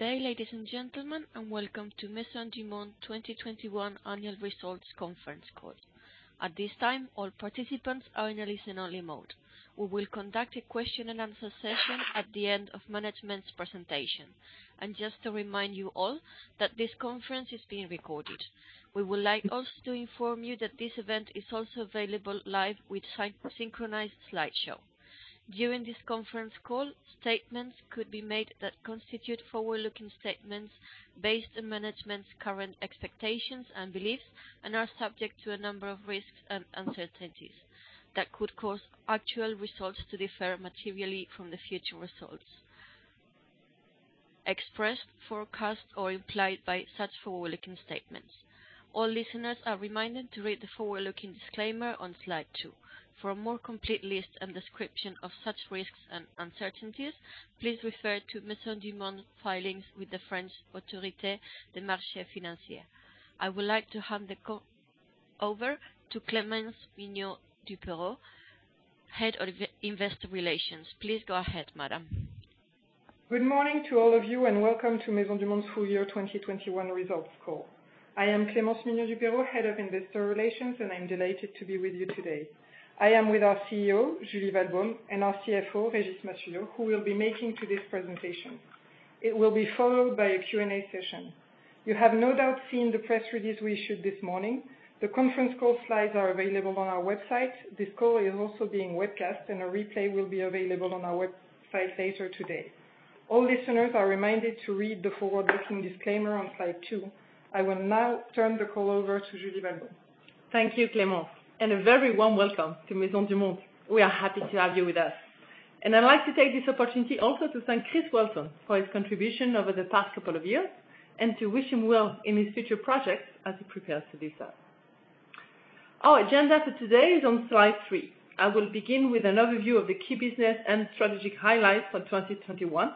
Good day, ladies and gentlemen, and welcome to Maisons du Monde 2021 annual results conference call. At this time, all participants are in a listen-only mode. We will conduct a question and answer session at the end of management's presentation. Just to remind you all that this conference is being recorded. We would like also to inform you that this event is also available live with synchronized slideshow. During this conference call, statements could be made that constitute forward-looking statements based on management's current expectations and beliefs and are subject to a number of risks and uncertainties that could cause actual results to differ materially from the future results expressed, forecast, or implied by such forward-looking statements. All listeners are reminded to read the forward-looking disclaimer on slide two. For a more complete list and description of such risks and uncertainties, please refer to Maisons du Monde filings with the French Autorité des marchés financiers. I would like to hand the call over to Clémence Mignot-Dupeyrot, Head of Investor Relations. Please go ahead, madam. Good morning to all of you, and welcome to Maisons du Monde full year 2021 results call. I am Clémence Mignot-Dupeyrot, Head of Investor Relations, and I'm delighted to be with you today. I am with our CEO, Julie Walbaum, and our CFO, Régis Massuyeau, who will be making today's presentation. It will be followed by a Q&A session. You have no doubt seen the press release we issued this morning. The conference call slides are available on our website. This call is also being webcast, and a replay will be available on our website later today. All listeners are reminded to read the forward-looking disclaimer on slide two. I will now turn the call over to Julie Walbaum. Thank you, Clémence, and a very warm welcome to Maisons du Monde. We are happy to have you with us. I'd like to take this opportunity also to thank Christopher Welton for his contribution over the past couple of years and to wish him well in his future projects as he prepares to leave us. Our agenda for today is on slide three. I will begin with an overview of the key business and strategic highlights for 2021.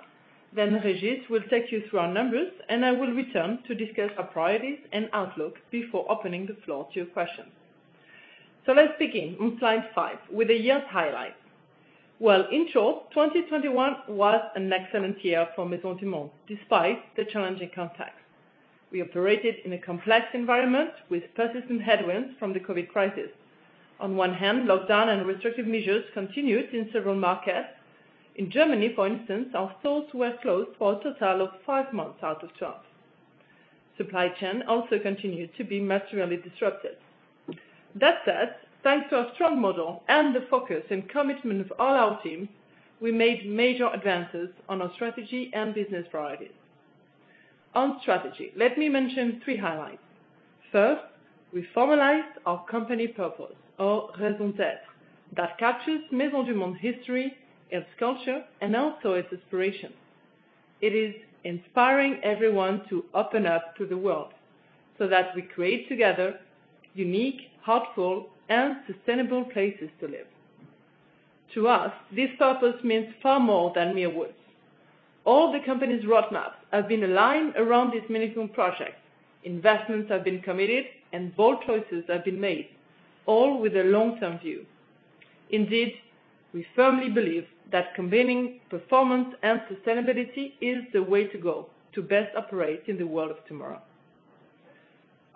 Then Régis will take you through our numbers, and I will return to discuss our priorities and outlook before opening the floor to your questions. Let's begin on slide five with the year's highlights. Well, in short, 2021 was an excellent year for Maisons du Monde, despite the challenging context. We operated in a complex environment with persistent headwinds from the COVID crisis. On one hand, lockdown and restrictive measures continued in several markets. In Germany, for instance, our stores were closed for a total of five months out of twelve. Supply chain also continued to be materially disrupted. That said, thanks to our strong model and the focus and commitment of all our teams, we made major advances on our strategy and business priorities. On strategy, let me mention three highlights. First, we formalized our company purpose or raison d'être that captures Maisons du Monde history, its culture, and also its inspiration. It is inspiring everyone to open up to the world so that we create together unique, heartfelt, and sustainable places to live. To us, this purpose means far more than mere words. All the company's roadmaps have been aligned around this meaningful project. Investments have been committed, and bold choices have been made, all with a long-term view. Indeed, we firmly believe that combining performance and sustainability is the way to go to best operate in the world of tomorrow.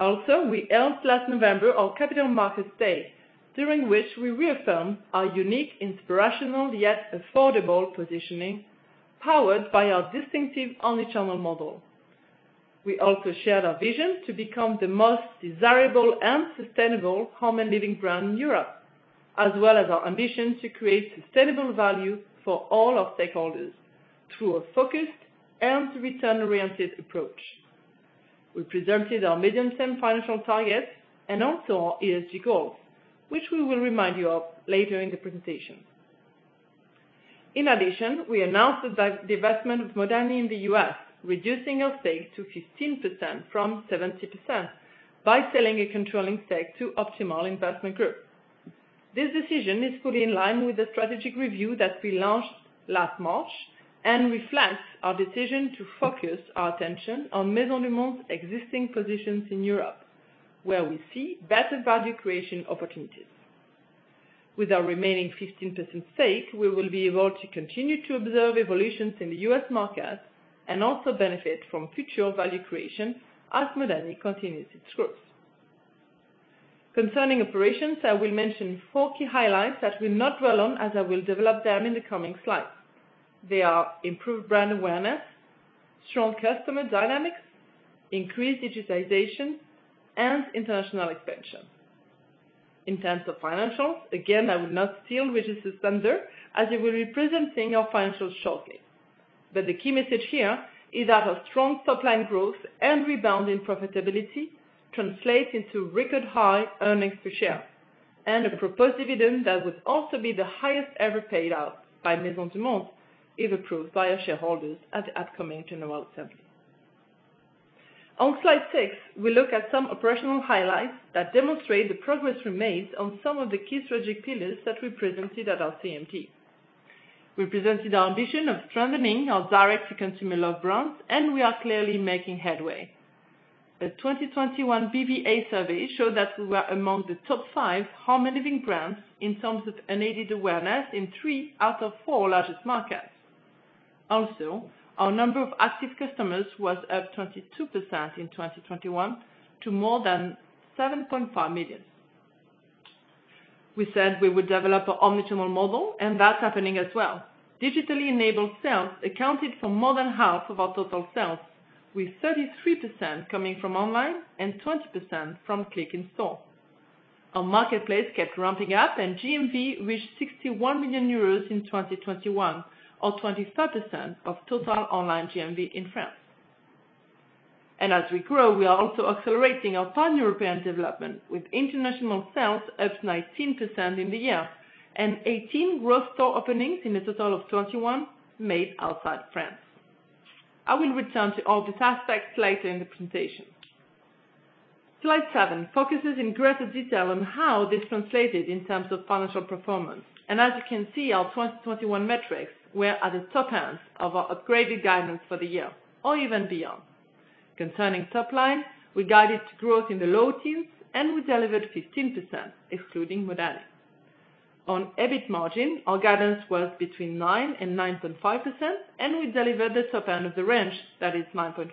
Also, we held last November our Capital Markets Day, during which we reaffirmed our unique, inspirational, yet affordable positioning powered by our distinctive omni-channel model. We also shared our vision to become the most desirable and sustainable home and living brand in Europe, as well as our ambition to create sustainable value for all our stakeholders through a focused and return-oriented approach. We presented our medium-term financial targets and also our ESG goals, which we will remind you of later in the presentation. In addition, we announced the divestment of Modani in the U.S., reducing our stake to 15% from 70% by selling a controlling stake to Optimal Investment Group. This decision is fully in line with the strategic review that we launched last March and reflects our decision to focus our attention on Maisons du Monde's existing positions in Europe, where we see better value creation opportunities. With our remaining 15% stake, we will be able to continue to observe evolutions in the U.S. market and also benefit from future value creation as Modani continues its growth. Concerning operations, I will mention four key highlights that we'll not dwell on as I will develop them in the coming slides. They are improved brand awareness, strong customer dynamics, increased digitization, and international expansion. In terms of financials, again, I will not steal Régis' thunder as he will be presenting our financials shortly. The key message here is that our strong top line growth and rebound in profitability translate into record high earnings per share and a proposed dividend that would also be the highest ever paid out by Maisons du Monde if approved by our shareholders at the upcoming general assembly. On slide six, we look at some operational highlights that demonstrate the progress we made on some of the key strategic pillars that we presented at our CMD. We presented our ambition of strengthening our direct-to-consumer love brands, and we are clearly making headway. The 2021 BVA survey showed that we were among the top five home and living brands in terms of unaided awareness in three out of four largest markets. Also, our number of active customers was up 22% in 2021 to more than 7.5 million. We said we would develop an omnichannel model, and that's happening as well. Digitally enabled sales accounted for more than half of our total sales, with 33% coming from online and 20% from click and store. Our marketplace kept ramping up and GMV reached 61 million euros in 2021, or 23% of total online GMV in France. As we grow, we are also accelerating our pan-European development, with international sales up 19% in the year and 18 gross store openings in a total of 21 made outside France. I will return to all these aspects later in the presentation. Slide seven focuses in greater detail on how this translated in terms of financial performance. As you can see, our 2021 metrics were at the top end of our upgraded guidance for the year, or even beyond. Concerning top line, we guided growth in the low teens, and we delivered 15%, excluding Modani. On EBIT margin, our guidance was between 9%-9.5%, and we delivered the top end of the range, that is 9.5%.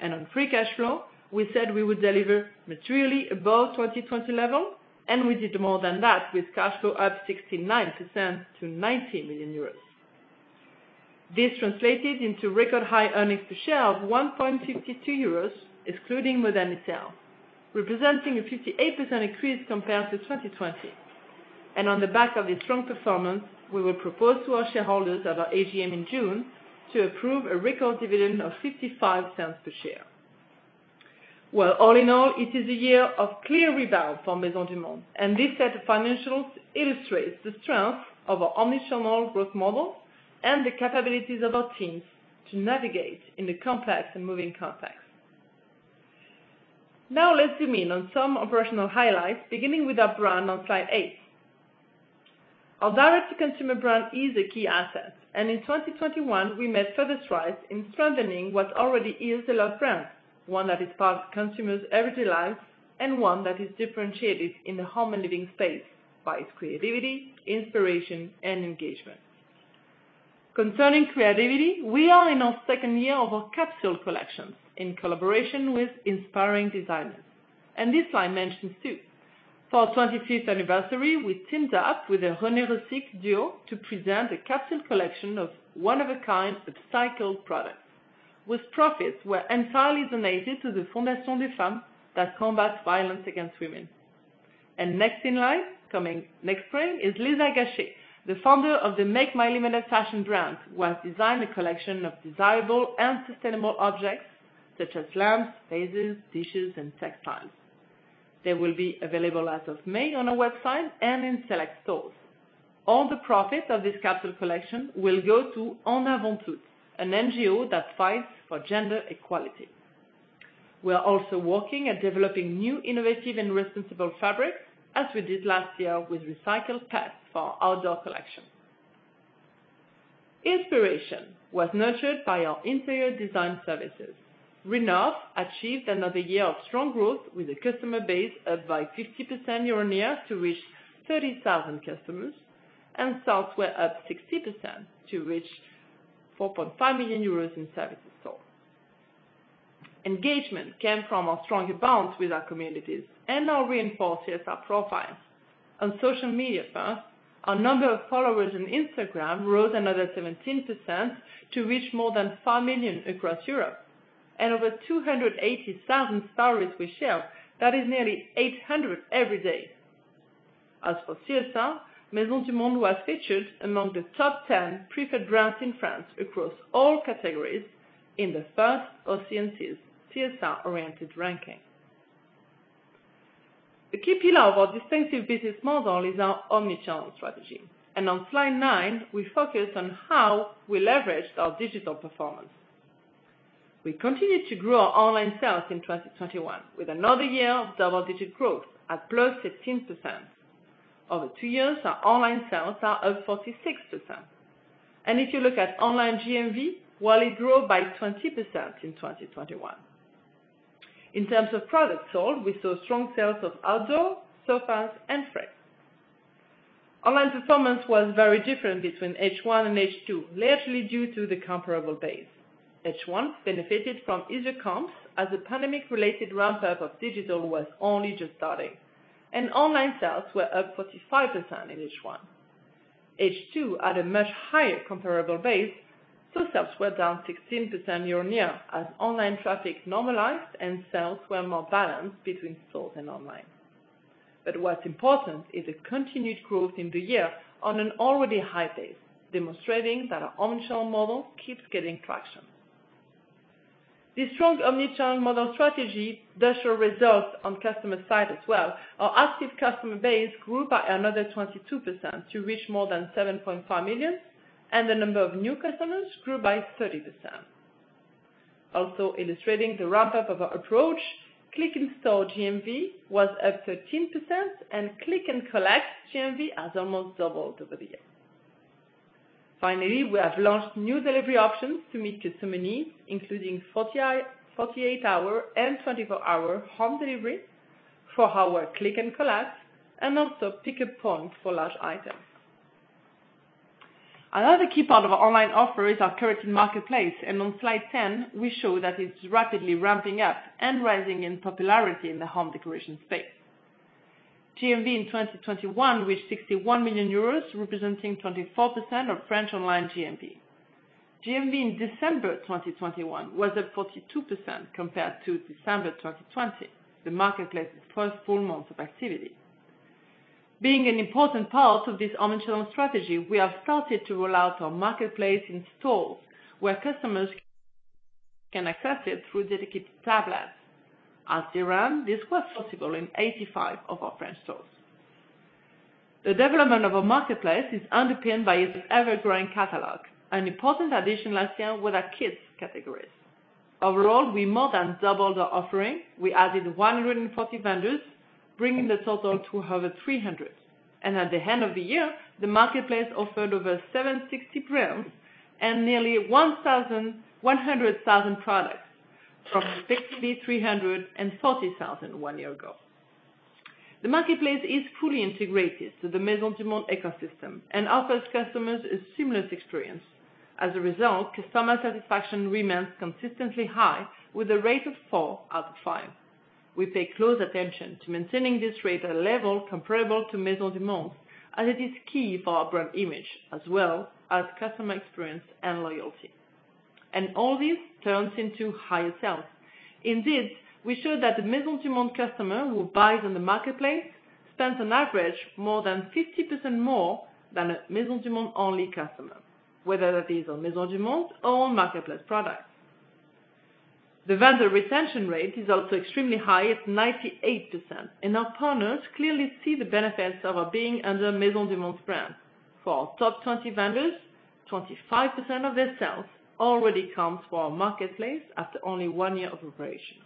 On free cash flow, we said we would deliver materially above 2020 level, and we did more than that with cash flow up 69% to 90 million euros. This translated into record high earnings per share of 1.52 euros, excluding Modani sales, representing a 58% increase compared to 2020. On the back of this strong performance, we will propose to our shareholders at our AGM in June to approve a record dividend of 0.55 per share. Well, all in all, it is a year of clear rebound for Maisons du Monde, and this set of financials illustrates the strength of our omnichannel growth model and the capabilities of our teams to navigate in the complex and moving context. Now let's zoom in on some operational highlights, beginning with our brand on slide eight. Our direct-to-consumer brand is a key asset, and in 2021, we made further strides in strengthening what already is a loved brand, one that is part of consumers' everyday lives and one that is differentiated in the home and living space by its creativity, inspiration and engagement. Concerning creativity, we are in our second year of our capsule collections in collaboration with inspiring designers, and this slide mentions two. For our 25th anniversary, we teamed up with the Renée Recycle duo to present a capsule collection of one-of-a-kind upcycled products, whose profits were entirely donated to the Fondation des Femmes that combats violence against women. Next in line, coming next spring, is Lisa Gachet, the founder of the Make My Lemonade fashion brand, who has designed a collection of desirable and sustainable objects such as lamps, vases, dishes, and textiles. They will be available as of May on our website and in select stores. All the profit of this capsule collection will go to On Avance Tous, an NGO that fights for gender equality. We are also working at developing new innovative and responsible fabrics, as we did last year with recycled PET for our outdoor collection. Inspiration was nurtured by our interior design services. Rénove achieved another year of strong growth with a customer base up by 50% year-on-year to reach 30,000 customers, and sales were up 60% to reach 4.5 million euros in services sold. Engagement came from our stronger bonds with our communities and our reinforced CSR profile. On social media first, our number of followers on Instagram rose another 17% to reach more than 5 million across Europe, and over 280,000 stories were shared. That is nearly 800 every day. As for CSR, Maisons du Monde was featured among the top 10 preferred brands in France across all categories in the first of OC&C's CSR-oriented ranking. The key pillar of our distinctive business model is our omnichannel strategy, and on slide 9, we focus on how we leveraged our digital performance. We continued to grow our online sales in 2021 with another year of double-digit growth at +16%. Over two years, our online sales are up 46%. If you look at online GMV, well, it grew by 20% in 2021. In terms of products sold, we saw strong sales of outdoor, sofas, and furniture. Online performance was very different between H1 and H2, largely due to the comparable base. H1 benefited from easier comps as the pandemic-related ramp up of digital was only just starting, and online sales were up 45% in H1. H2 had a much higher comparable base, so sales were down 16% year-on-year as online traffic normalized and sales were more balanced between stores and online. What's important is the continued growth in the year on an already high base, demonstrating that our omnichannel model keeps getting traction. This strong omnichannel model strategy does show results on customer side as well. Our active customer base grew by another 22% to reach more than 7.5 million, and the number of new customers grew by 30%. Also illustrating the ramp-up of our approach, click and store GMV was up 13% and click and collect GMV has almost doubled over the year. Finally, we have launched new delivery options to meet customer needs, including forty-eight hour and 24-hour home deliveries for our click and collect, and also pickup points for large items. Another key part of our online offer is our current marketplace, and on slide 10, we show that it's rapidly ramping up and rising in popularity in the home decoration space. GMV in 2021 reached 61 million euros, representing 24% of French online GMV. GMV in December 2021 was up 42% compared to December 2020, the marketplace's first full month of activity. Being an important part of this omnichannel strategy, we have started to roll out our marketplace in stores, where customers can access it through dedicated tablets. At year-end, this was possible in 85 of our French stores. The development of our marketplace is underpinned by its ever-growing catalog. An important addition last year were our kids categories. Overall, we more than doubled the offering. We added 140 vendors, bringing the total to over 300. At the end of the year, the marketplace offered over 760 brands and nearly 100,000 products from 63,400 one year ago. The marketplace is fully integrated to the Maisons du Monde ecosystem and offers customers a seamless experience. As a result, customer satisfaction remains consistently high with a rate of 4 out of 5. We pay close attention to maintaining this rate at a level comparable to Maisons du Monde, as it is key for our brand image, as well as customer experience and loyalty. All this turns into higher sales. Indeed, we show that the Maisons du Monde customer who buys on the marketplace spends on average more than 50% more than a Maisons du Monde only customer, whether that is on Maisons du Monde or on marketplace products. The vendor retention rate is also extremely high at 98%, and our partners clearly see the benefits of our being under Maisons du Monde brand. For our top 20 vendors, 25% of their sales already comes from our marketplace after only one year of operation.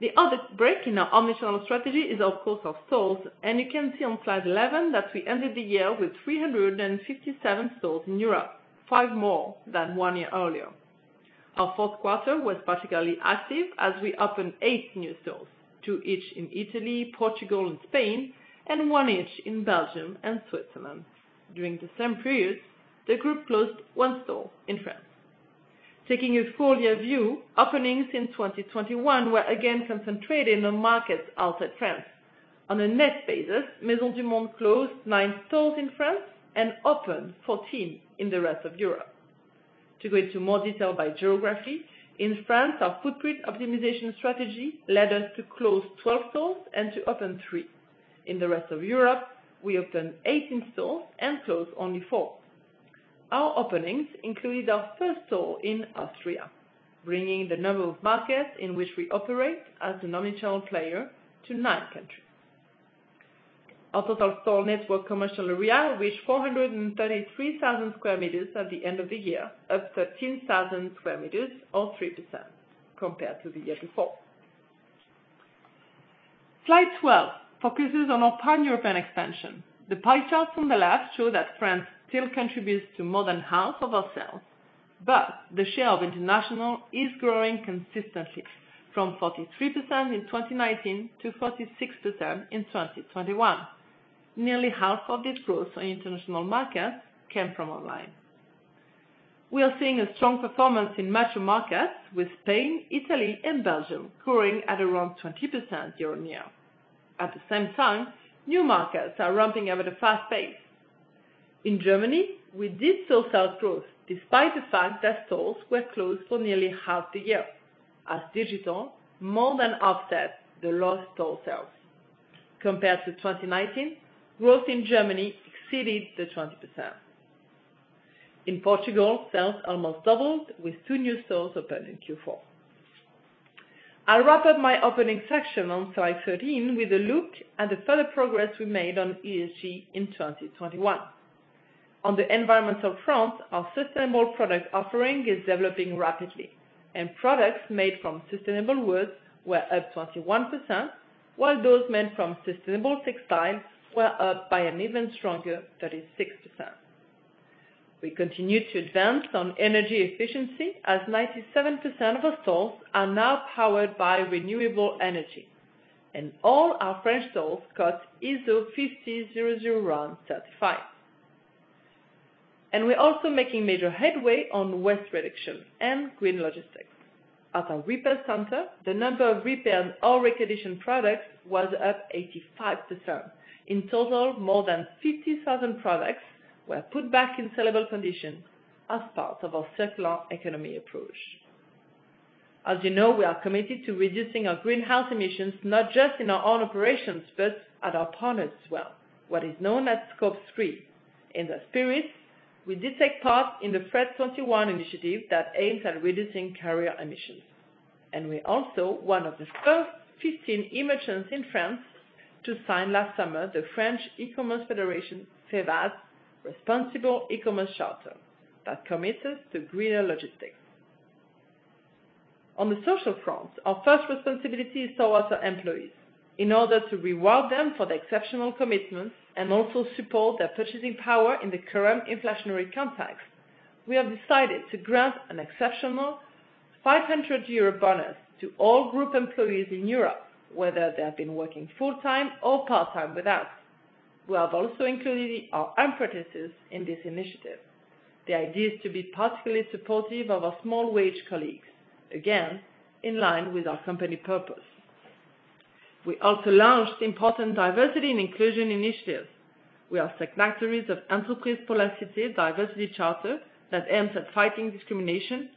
The other brick in our omnichannel strategy is of course our stores, and you can see on slide 11 that we ended the year with 357 stores in Europe, 5 more than one year earlier. Our fourth quarter was particularly active as we opened eight new stores, two each in Italy, Portugal and Spain, and one each in Belgium and Switzerland. During the same period, the group closed one store in France. Taking a full year view, openings in 2021 were again concentrated on markets outside France. On a net basis, Maisons du Monde closed nine stores in France and opened 14 in the rest of Europe. To go into more detail by geography, in France, our footprint optimization strategy led us to close 12 stores and to open three. In the rest of Europe, we opened 18 stores and closed only four. Our openings included our first store in Austria, bringing the number of markets in which we operate as an omnichannel player to 9 countries. Our total store network commercial area reached 433,000 sq m at the end of the year, up 13,000 sq m or 3% compared to the year before. Slide 12 focuses on our pan-European expansion. The pie chart on the left show that France still contributes to more than half of our sales, but the share of international is growing consistently from 43% in 2019 to 46% in 2021. Nearly half of this growth on international markets came from online. We are seeing a strong performance in mature markets, with Spain, Italy and Belgium growing at around 20% year-on-year. At the same time, new markets are ramping up at a fast pace. In Germany, we had solid sales growth despite the fact that stores were closed for nearly half the year, as digital more than offset the lost store sales. Compared to 2019, growth in Germany exceeded 20%. In Portugal, sales almost doubled, with two new stores opened in Q4. I'll wrap up my opening section on slide 13 with a look at the further progress we made on ESG in 2021. On the environmental front, our sustainable product offering is developing rapidly, and products made from sustainable woods were up 21%, while those made from sustainable textiles were up by an even stronger 36%. We continue to advance on energy efficiency as 97% of our stores are now powered by renewable energy. All our French stores got ISO 50001 certified. We're also making major headway on waste reduction and green logistics. At our repair center, the number of repaired or reconditioned products was up 85%. In total, more than 50,000 products were put back in sellable condition as part of our circular economy approach. As you know, we are committed to reducing our greenhouse emissions, not just in our own operations, but at our partners as well. What is known as Scope three. In that spirit, we did take part in the FRET21 initiative that aims at reducing carrier emissions. We're also one of the first 15 e-merchants in France to sign last summer the French e-commerce federation, FEVAD's Responsible E-commerce Charter that commits us to greener logistics. On the social front, our first responsibility is towards our employees. In order to reward them for their exceptional commitment and also support their purchasing power in the current inflationary context, we have decided to grant an exceptional 500 euro bonus to all group employees in Europe, whether they have been working full-time or part-time with us. We have also included our apprentices in this initiative. The idea is to be particularly supportive of our small wage colleagues, again, in line with our company purpose. We also launched important diversity and inclusion initiatives. We are signatories of Les Entreprises pour la Cité Diversity Charter that aims at fighting discrimination,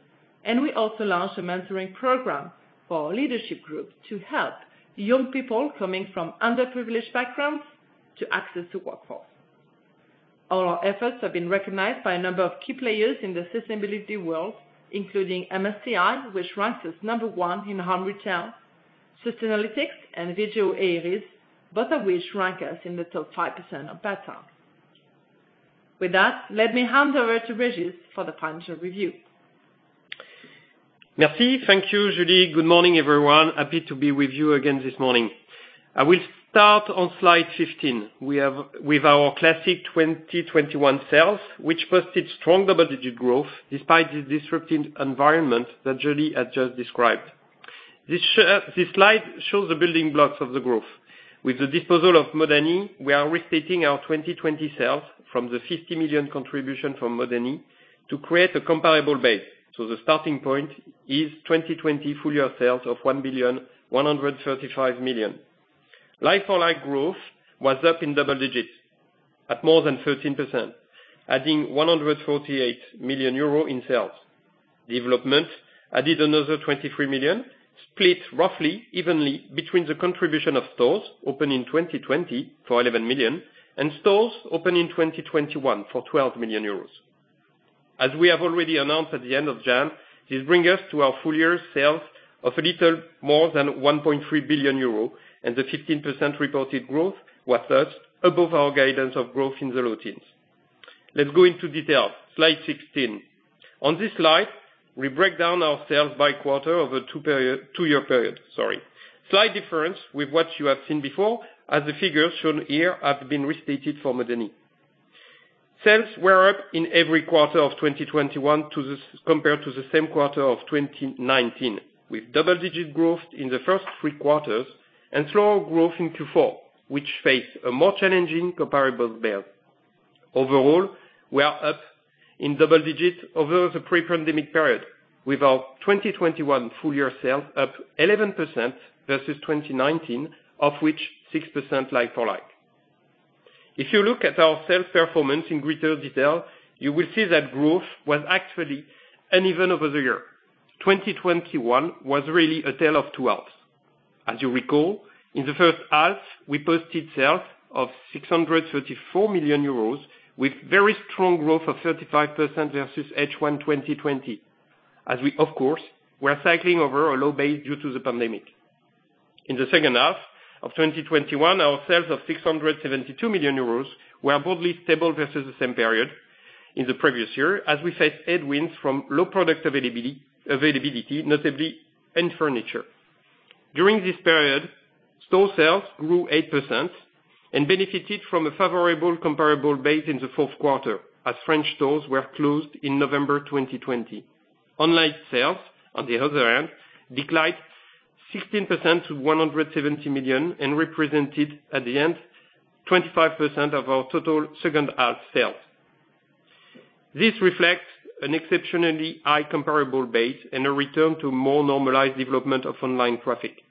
and we also launched a mentoring program for our leadership group to help young people coming from underprivileged backgrounds to access the workforce. All our efforts have been recognized by a number of key players in the sustainability world, including MSCI, which ranks us number one in home retail, Sustainalytics and Vigeo Eiris, both of which rank us in the top 5% or better. With that, let me hand over to Régis for the financial review. Merci. Thank you, Julie. Good morning, everyone. Happy to be with you again this morning. I will start on slide 15. We have with our classic 2021 sales, which posted strong double-digit growth despite the disruptive environment that Julie has just described. This slide shows the building blocks of the growth. With the disposal of Modani, we are restating our 2020 sales from the 50 million contribution from Modani to create a comparable base. The starting point is 2020 full year sales of 1,135 million. Like-for-like growth was up in double digits at more than 13%, adding 148 million euro in sales. Development added another 23 million, split roughly evenly between the contribution of stores opened in 2020 for 11 million and stores opened in 2021 for 12 million euros. As we have already announced at the end of January, this bring us to our full year sales of a little more than 1.3 billion euro, and the 15% reported growth was thus above our guidance of growth in the teens. Let's go into detail. Slide 16. On this slide, we break down our sales by quarter over two-year period. Sorry. Slight difference with what you have seen before, as the figures shown here have been restated for Modani. Sales were up in every quarter of 2021 compared to the same quarter of 2019, with double-digit growth in the first three quarters and slower growth in Q4, which faced a more challenging comparable base. Overall, we are up in double digits over the pre-pandemic period, with our 2021 full year sales up 11% versus 2019, of which 6% like for like. If you look at our sales performance in greater detail, you will see that growth was actually uneven over the year. 2021 was really a tale of two halves. As you recall, in the first half, we posted sales of 634 million euros with very strong growth of 35% versus H1 2020, as we of course were cycling over a low base due to the pandemic. In the second half of 2021, our sales of 672 million euros were broadly stable versus the same period in the previous year, as we faced headwinds from low product availability, notably in furniture. During this period, store sales grew 8% and benefited from a favorable comparable base in the fourth quarter, as French stores were closed in November 2020. Online sales, on the other hand, declined 16% to 170 million and represented, at the end, 25% of our total second half sales. This reflects an exceptionally high comparable base and a return to more normalized development of online traffic.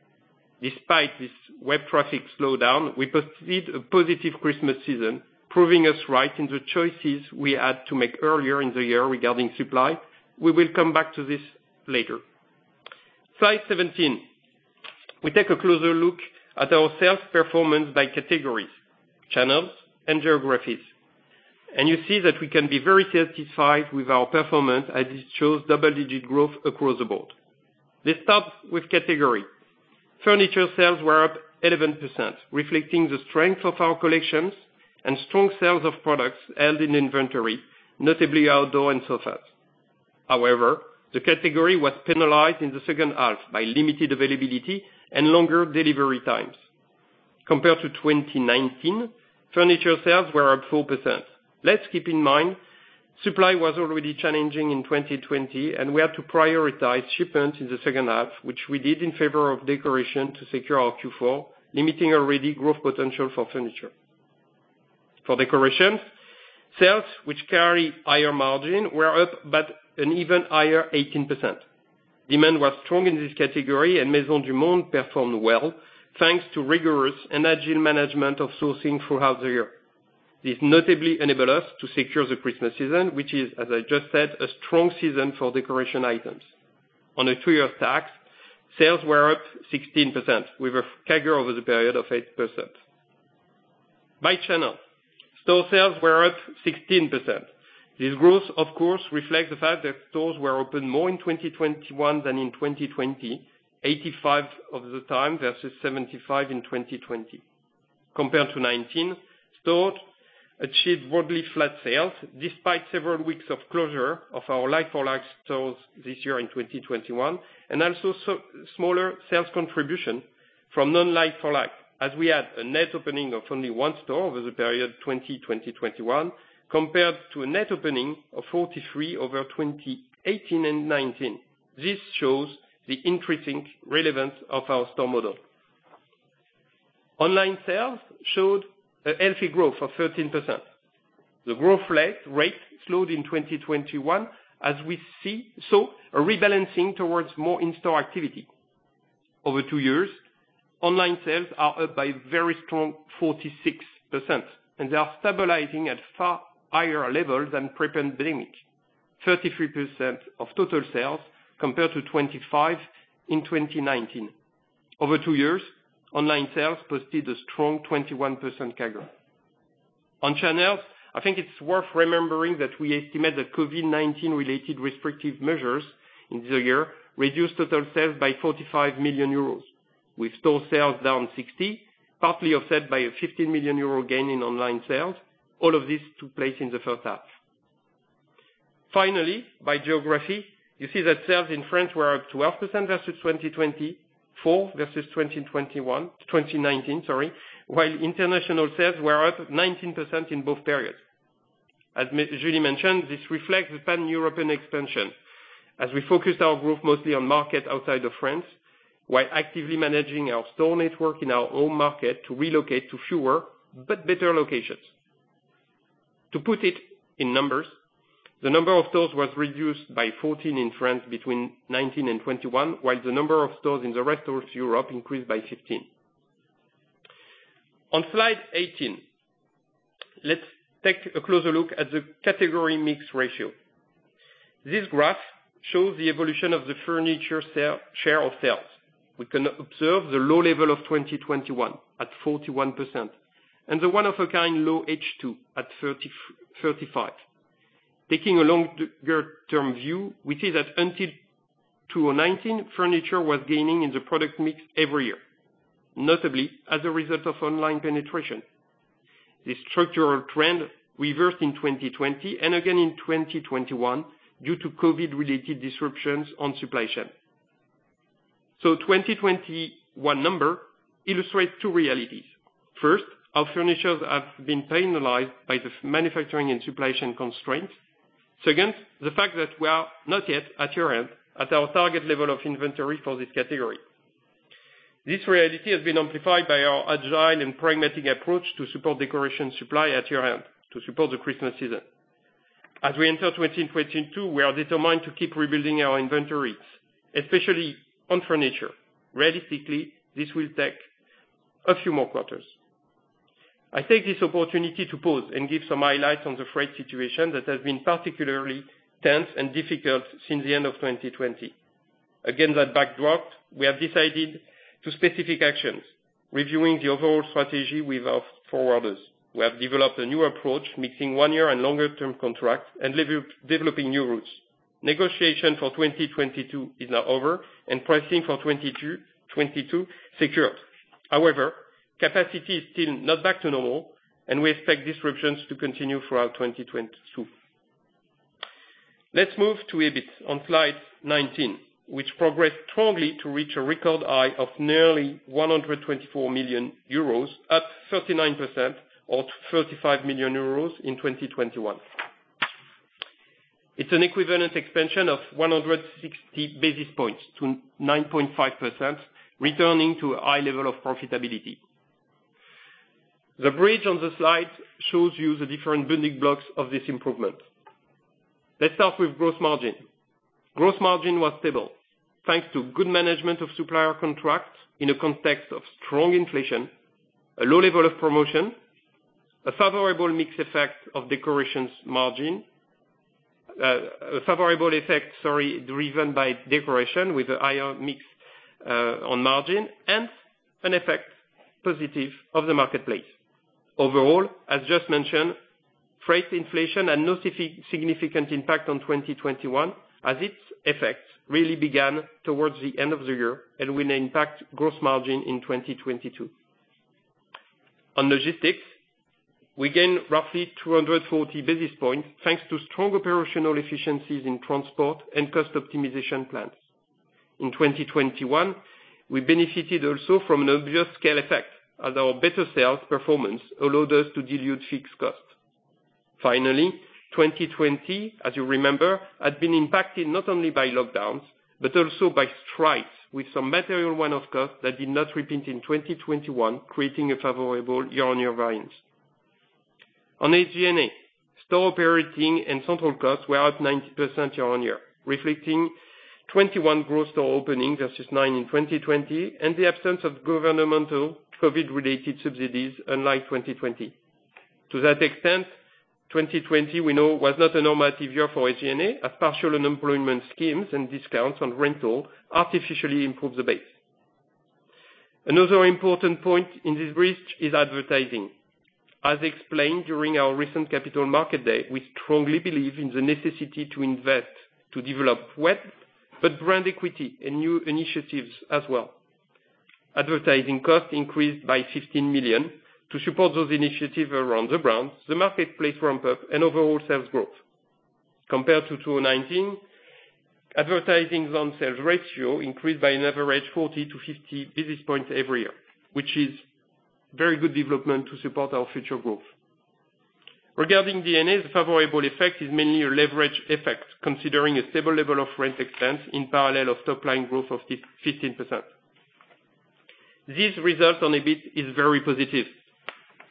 Despite this web traffic slowdown, we pursued a positive Christmas season, proving us right in the choices we had to make earlier in the year regarding supply. We will come back to this later. Slide 17. We take a closer look at our sales performance by categories, channels, and geographies, and you see that we can be very satisfied with our performance as it shows double-digit growth across the board. Let's start with category. Furniture sales were up 11%, reflecting the strength of our collections and strong sales of products held in inventory, notably outdoor and sofas. However, the category was penalized in the second half by limited availability and longer delivery times. Compared to 2019, furniture sales were up 4%. Let's keep in mind, supply was already challenging in 2020, and we had to prioritize shipments in the second half, which we did in favor of decoration to secure our Q4, limiting already growth potential for furniture. For decoration, sales which carry higher margin were up by an even higher 18%. Demand was strong in this category, and Maisons du Monde performed well, thanks to rigorous and agile management of sourcing throughout the year. This notably enabled us to secure the Christmas season, which is, as I just said, a strong season for decoration items. On a two-year stack, sales were up 16%, with a CAGR over the period of 8%. By channel, store sales were up 16%. This growth, of course, reflects the fact that stores were open more in 2021 than in 2020, 85% of the time versus 75% in 2020. Compared to '19, stores achieved broadly flat sales despite several weeks of closure of our like-for-like stores this year in 2021, and also smaller sales contribution from non like-for-like as we had a net opening of only 1 store over the period 2020-2021 compared to a net opening of 43 over 2018 and 2019. This shows the increasing relevance of our store model. Online sales showed a healthy growth of 13%. The growth rate slowed in 2021 as we saw a rebalancing towards more in-store activity. Over two years, online sales are up by very strong 46%, and they are stabilizing at far higher levels than pre-pandemic. 33% of total sales compare to 25 in 2019. Over two years, online sales posted a strong 21% CAGR. On channels, I think it's worth remembering that we estimate that COVID-19 related restrictive measures in the year reduced total sales by 45 million euros, with store sales down 60%, partly offset by a 15 million euro gain in online sales. All of this took place in the first half. Finally, by geography, you see that sales in France were up 12% versus 2019 while international sales were up 19% in both periods. As Julie mentioned, this reflects the Pan-European expansion as we focused our growth mostly on markets outside of France, while actively managing our store network in our home market to relocate to fewer but better locations. To put it in numbers, the number of stores was reduced by 14 in France between 2019 and 2021, while the number of stores in the rest of Europe increased by 15. On slide 18, let's take a closer look at the category mix ratio. This graph shows the evolution of the furniture share of sales. We can observe the low level of 2021 at 41% and the one-off low H2 at 35. Taking a longer term view, we see that until 2019, furniture was gaining in the product mix every year, notably as a result of online penetration. This structural trend reversed in 2020 and again in 2021 due to COVID-related disruptions on supply chain. 2021 number illustrates two realities. First, our furniture has been penalized by the manufacturing and supply chain constraints. Second, the fact that we are not yet at year-end at our target level of inventory for this category. This reality has been amplified by our agile and pragmatic approach to support decoration supply at year-end to support the Christmas season. As we enter 2022, we are determined to keep rebuilding our inventories, especially on furniture. Realistically, this will take a few more quarters. I take this opportunity to pause and give some highlights on the freight situation that has been particularly tense and difficult since the end of 2020. Against that backdrop, we have decided to take specific actions, reviewing the overall strategy with our forwarders. We have developed a new approach, mixing one-year and longer-term contracts and developing new routes. Negotiations for 2022 are now over and pricing for 2022 secured. However, capacity is still not back to normal, and we expect disruptions to continue throughout 2022. Let's move to EBIT on slide 19, which progressed strongly to reach a record high of nearly 124 million euros, up 39% to 35 million euros in 2021. It's an equivalent expansion of 160 basis points to 9.5%, returning to a high level of profitability. The bridge on the slide shows you the different building blocks of this improvement. Let's start with gross margin. Gross margin was stable thanks to good management of supplier contracts in a context of strong inflation, a low level of promotion, a favorable effect, sorry, driven by decoration with a higher mix on margin and a positive effect of the marketplace. Overall, as just mentioned, freight inflation had no significant impact on 2021, as its effects really began towards the end of the year and will impact gross margin in 2022. On logistics, we gain roughly 240 basis points thanks to strong operational efficiencies in transport and cost optimization plans. In 2021, we benefited also from an obvious scale effect as our better sales performance allowed us to dilute fixed costs. Finally, 2020, as you remember, had been impacted not only by lockdowns, but also by strikes with some material one-off costs that did not repeat in 2021, creating a favorable year-on-year variance. On SG&A, store operating and central costs were up 90% year-on-year, reflecting 21 gross store openings versus 9 in 2020, and the absence of governmental COVID-related subsidies unlike 2020. To that extent, 2020 we know was not a normal year for SG&A as partial unemployment schemes and discounts on rental artificially improved the base. Another important point in this bridge is advertising. As explained during our recent Capital Markets Day, we strongly believe in the necessity to invest to develop web, but brand equity and new initiatives as well. Advertising costs increased by 15 million to support those initiatives around the brand, the marketplace ramp-up, and overall sales growth. Compared to 2019, advertising zone sales ratio increased by an average 40-50 basis points every year, which is very good development to support our future growth. Regarding D&A, the favorable effect is mainly a leverage effect, considering a stable level of rent expense in parallel of top line growth of 15%. This result on EBIT is very positive.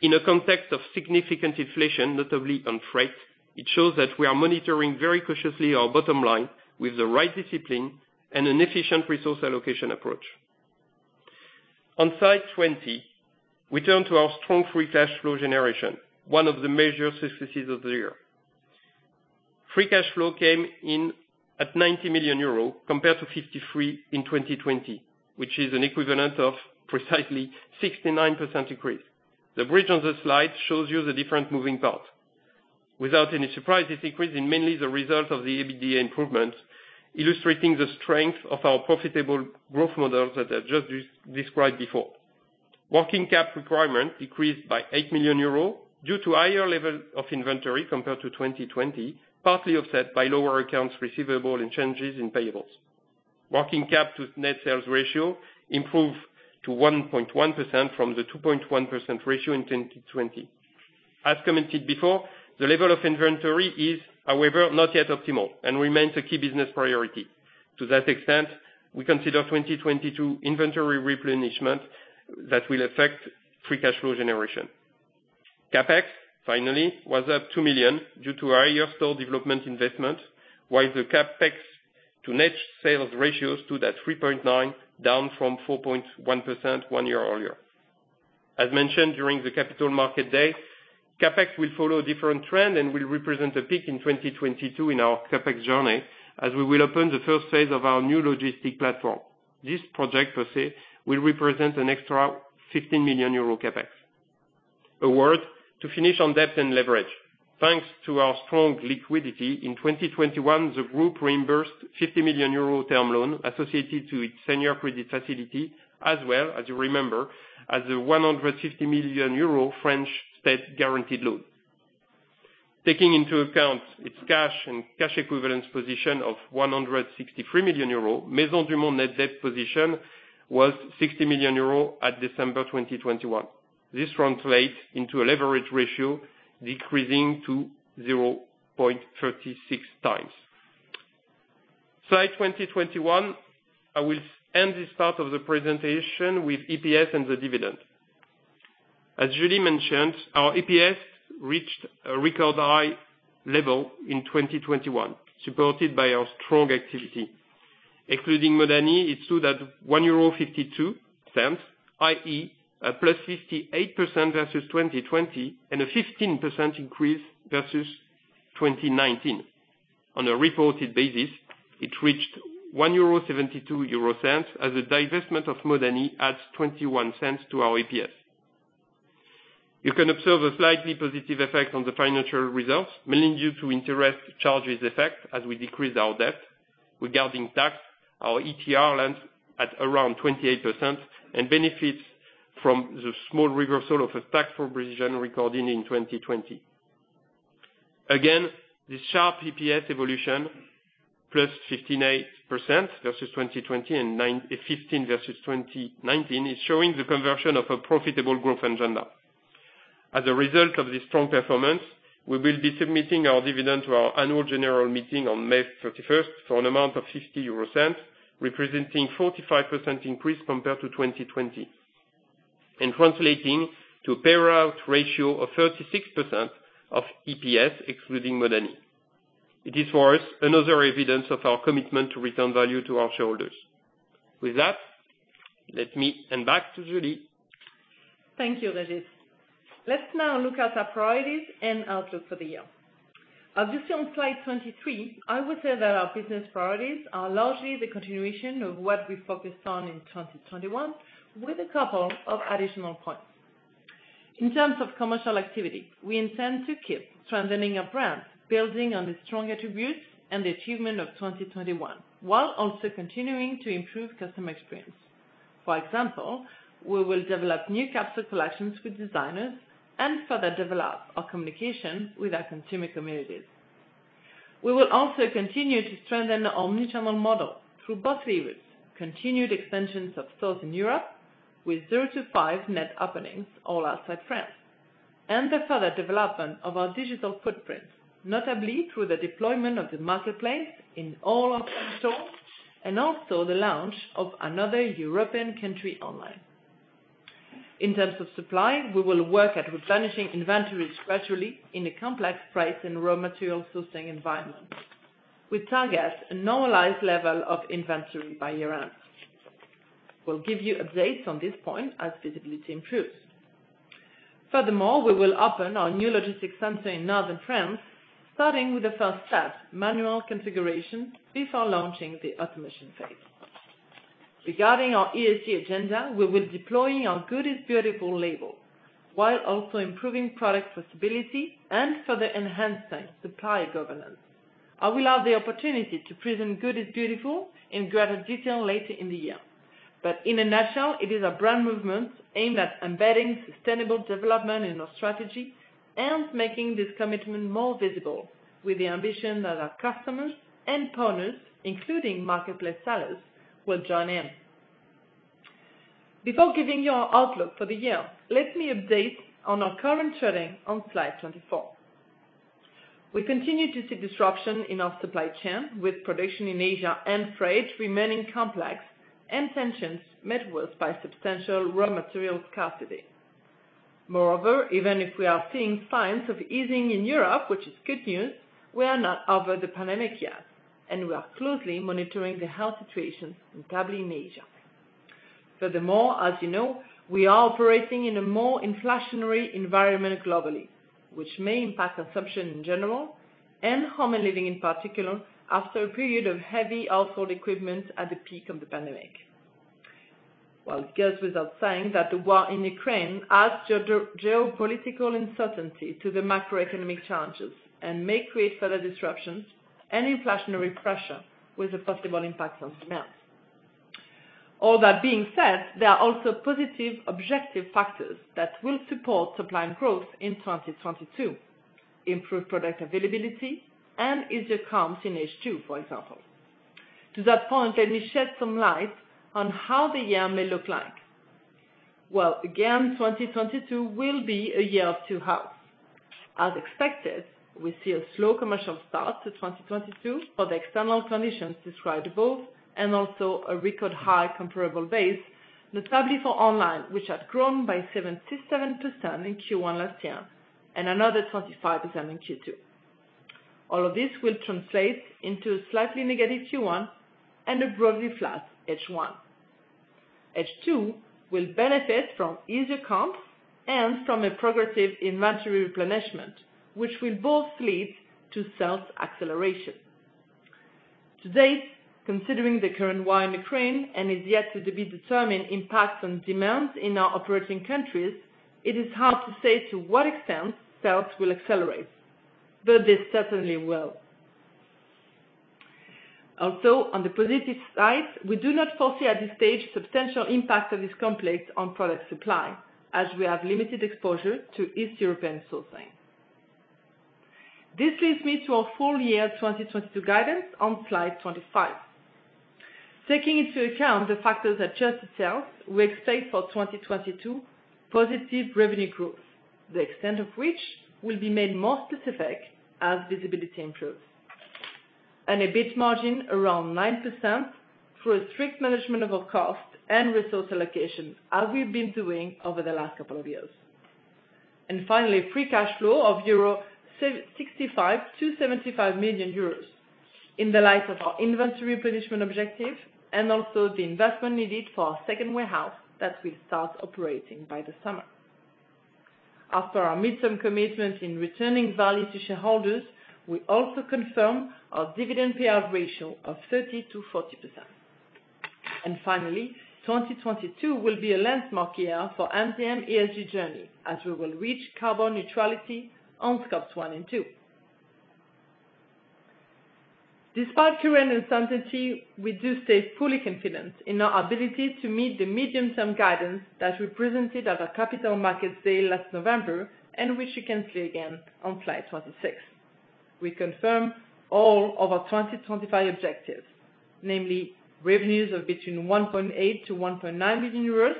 In a context of significant inflation, notably on freight, it shows that we are monitoring very cautiously our bottom line with the right discipline and an efficient resource allocation approach. On slide 20, we turn to our strong free cash flow generation, one of the major successes of the year. Free cash flow came in at 90 million euros compared to 53 million in 2020, which is an equivalent of precisely 69% increase. The bridge on the slide shows you the different moving parts. Without any surprise, this increase is mainly the result of the EBITDA improvement, illustrating the strength of our profitable growth model that I just described before. Working cap requirement decreased by 8 million euros due to higher level of inventory compared to 2020, partly offset by lower accounts receivable and changes in payables. Working cap to net sales ratio improved to 1.1% from the 2.1% ratio in 2020. As commented before, the level of inventory is, however, not yet optimal and remains a key business priority. To that extent, we consider 2022 inventory replenishment that will affect free cash flow generation. CapEx, finally, was up 2 million due to higher store development investment, while the CapEx to net sales ratios stood at 3.9%, down from 4.1% one year earlier. As mentioned during the Capital Markets Day, CapEx will follow a different trend and will represent a peak in 2022 in our CapEx journey, as we will open the first phase of our new logistic platform. This project per se will represent an extra 15 million euro CapEx. A word to finish on debt and leverage. Thanks to our strong liquidity, in 2021, the group reimbursed 50 million euro term loan associated to its senior credit facility, as well as you remember, as a 150 million euro French state-guaranteed loan. Taking into account its cash and cash equivalent position of 163 million euro, Maisons du Monde net debt position was 60 million euro at December 2021. This translates into a leverage ratio decreasing to 0.36 times. Slide 21, I will end this part of the presentation with EPS and the dividend. As Julie mentioned, our EPS reached a record high level in 2021, supported by our strong activity. Excluding Modani, it stood at 1.52 euro, i.e., +58% versus 2020, and a 15% increase versus 2019. On a reported basis, it reached 1.72 euro as a divestment of Modani adds 0.21 to our EPS. You can observe a slightly positive effect on the financial results, mainly due to interest charges effect as we decrease our debt. Regarding tax, our ETR lands at around 28% and benefits from the small reversal of a tax provision recorded in 2020. The sharp EPS evolution, +58% versus 2020 and 15% versus 2019, shows the conversion of a profitable growth agenda. As a result of this strong performance, we will be submitting our dividend to our annual general meeting on May 31st for an amount of 0.50, representing 45% increase compared to 2020, and translating to a payout ratio of 36% of EPS excluding Modani. It is for us another evidence of our commitment to return value to our shareholders. With that, let me hand back to Julie. Thank you, Régis. Let's now look at our priorities and outlook for the year. This on slide 23, I would say that our business priorities are largely the continuation of what we focused on in 2021, with a couple of additional points. In terms of commercial activity, we intend to keep strengthening our brand, building on the strong attributes and the achievement of 2021, while also continuing to improve customer experience. For example, we will develop new capsule collections with designers and further develop our communication with our consumer communities. We will also continue to strengthen the omni-channel model through both levers, continued extensions of stores in Europe with 0-5 net openings all outside France, and the further development of our digital footprint, notably through the deployment of the marketplace in all of our stores and also the launch of another European country online. In terms of supply, we will work at replenishing inventories gradually in a complex price and raw material sourcing environment. We target a normalized level of inventory by year-end. We'll give you updates on this point as visibility improves. Furthermore, we will open our new logistics center in northern France, starting with the first step, manual configuration, before launching the automation phase. Regarding our ESG agenda, we will deploy our Good is Beautiful label while also improving product traceability and further enhancing supply governance. I will have the opportunity to present Good is Beautiful in greater detail later in the year. In a nutshell, it is a brand movement aimed at embedding sustainable development in our strategy and making this commitment more visible with the ambition that our customers and partners, including marketplace sellers, will join in. Before giving you our outlook for the year, let me update on our current trading on slide 24. We continue to see disruption in our supply chain, with production in Asia and freight remaining complex and tensions made worse by substantial raw material scarcity. Moreover, even if we are seeing signs of easing in Europe, which is good news, we are not over the pandemic yet, and we are closely monitoring the health situation, in particular in Asia. Furthermore, as you know, we are operating in a more inflationary environment globally, which may impact consumption in general and home and living in particular after a period of heavy household equipment at the peak of the pandemic. Well, it goes without saying that the war in Ukraine adds geopolitical uncertainty to the macroeconomic challenges and may create further disruptions and inflationary pressure with a possible impact on demand. All that being said, there are also positive objective factors that will support supply and growth in 2022, improved product availability and easier comps in H2, for example. To that point, let me shed some light on how the year may look like. Well, again, 2022 will be a year of two halves. As expected, we see a slow commercial start to 2022 for the external conditions described above, and also a record high comparable base, notably for online, which had grown by 77% in Q1 last year and another 25% in Q2. All of this will translate into a slightly negative Q1 and a broadly flat H1. H2 will benefit from easier comps and from a progressive inventory replenishment, which will both lead to sales acceleration. To date, considering the current war in Ukraine and is yet to be determined impact on demand in our operating countries, it is hard to say to what extent sales will accelerate, but they certainly will. Also, on the positive side, we do not foresee at this stage substantial impact of this conflict on product supply, as we have limited exposure to East European sourcing. This leads me to our full year 2022 guidance on slide 25. Taking into account the factors that adjust the sales, we expect for 2022 positive revenue growth, the extent of which will be made more specific as visibility improves. EBIT margin around 9% through a strict management of our cost and resource allocation as we've been doing over the last couple of years. Finally, free cash flow of 65-75 million euros in the light of our inventory replenishment objective and also the investment needed for our second warehouse that will start operating by the summer. As per our midterm commitment in returning value to shareholders, we also confirm our dividend payout ratio of 30%-40%. Finally, 2022 will be a landmark year for MdM ESG journey as we will reach carbon neutrality on Scopes one and two. Despite current uncertainty, we do stay fully confident in our ability to meet the medium-term guidance that we presented at our Capital Markets Day last November, and which you can see again on slide 26. We confirm all of our 2025 objectives, namely revenues of between 1.8 million euros and 1.9 million euros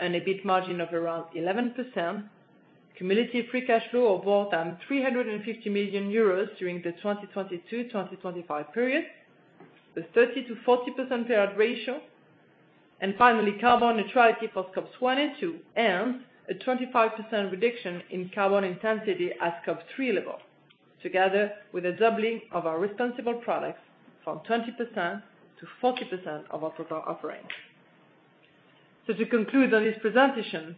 and an EBIT margin of around 11%, cumulative free cash flow of more than 350 million euros during the 2022-2025 period, the 30%-40% payout ratio, and finally, carbon neutrality for Scope one and two, and a 25% reduction in carbon intensity at Scope 3 level, together with a doubling of our responsible products from 20% to 40% of our total offering. To conclude on this presentation,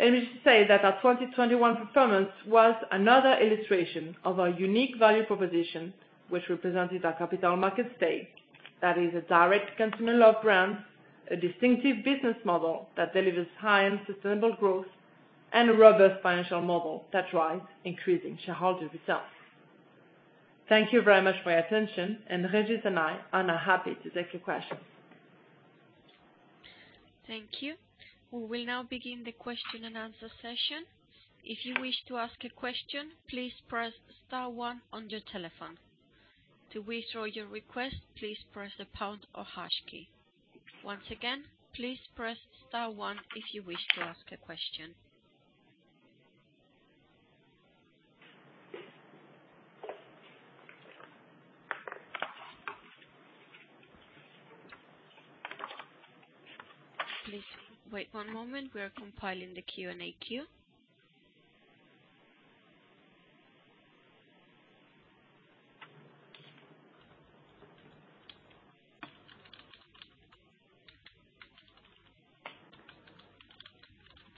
let me just say that our 2021 performance was another illustration of our unique value proposition, which we presented at Capital Markets Day. That is a direct consumer love brand, a distinctive business model that delivers high-end sustainable growth and a robust financial model that drives increasing shareholder results. Thank you very much for your attention, and Régis and I are now happy to take your questions. Thank you. We will now begin the question and answer session. If you wish to ask a question, please press star one on your telephone. To withdraw your request, please press the pound or hash key. Once again, please press star one if you wish to ask a question. Please wait one moment. We are compiling the Q&A queue.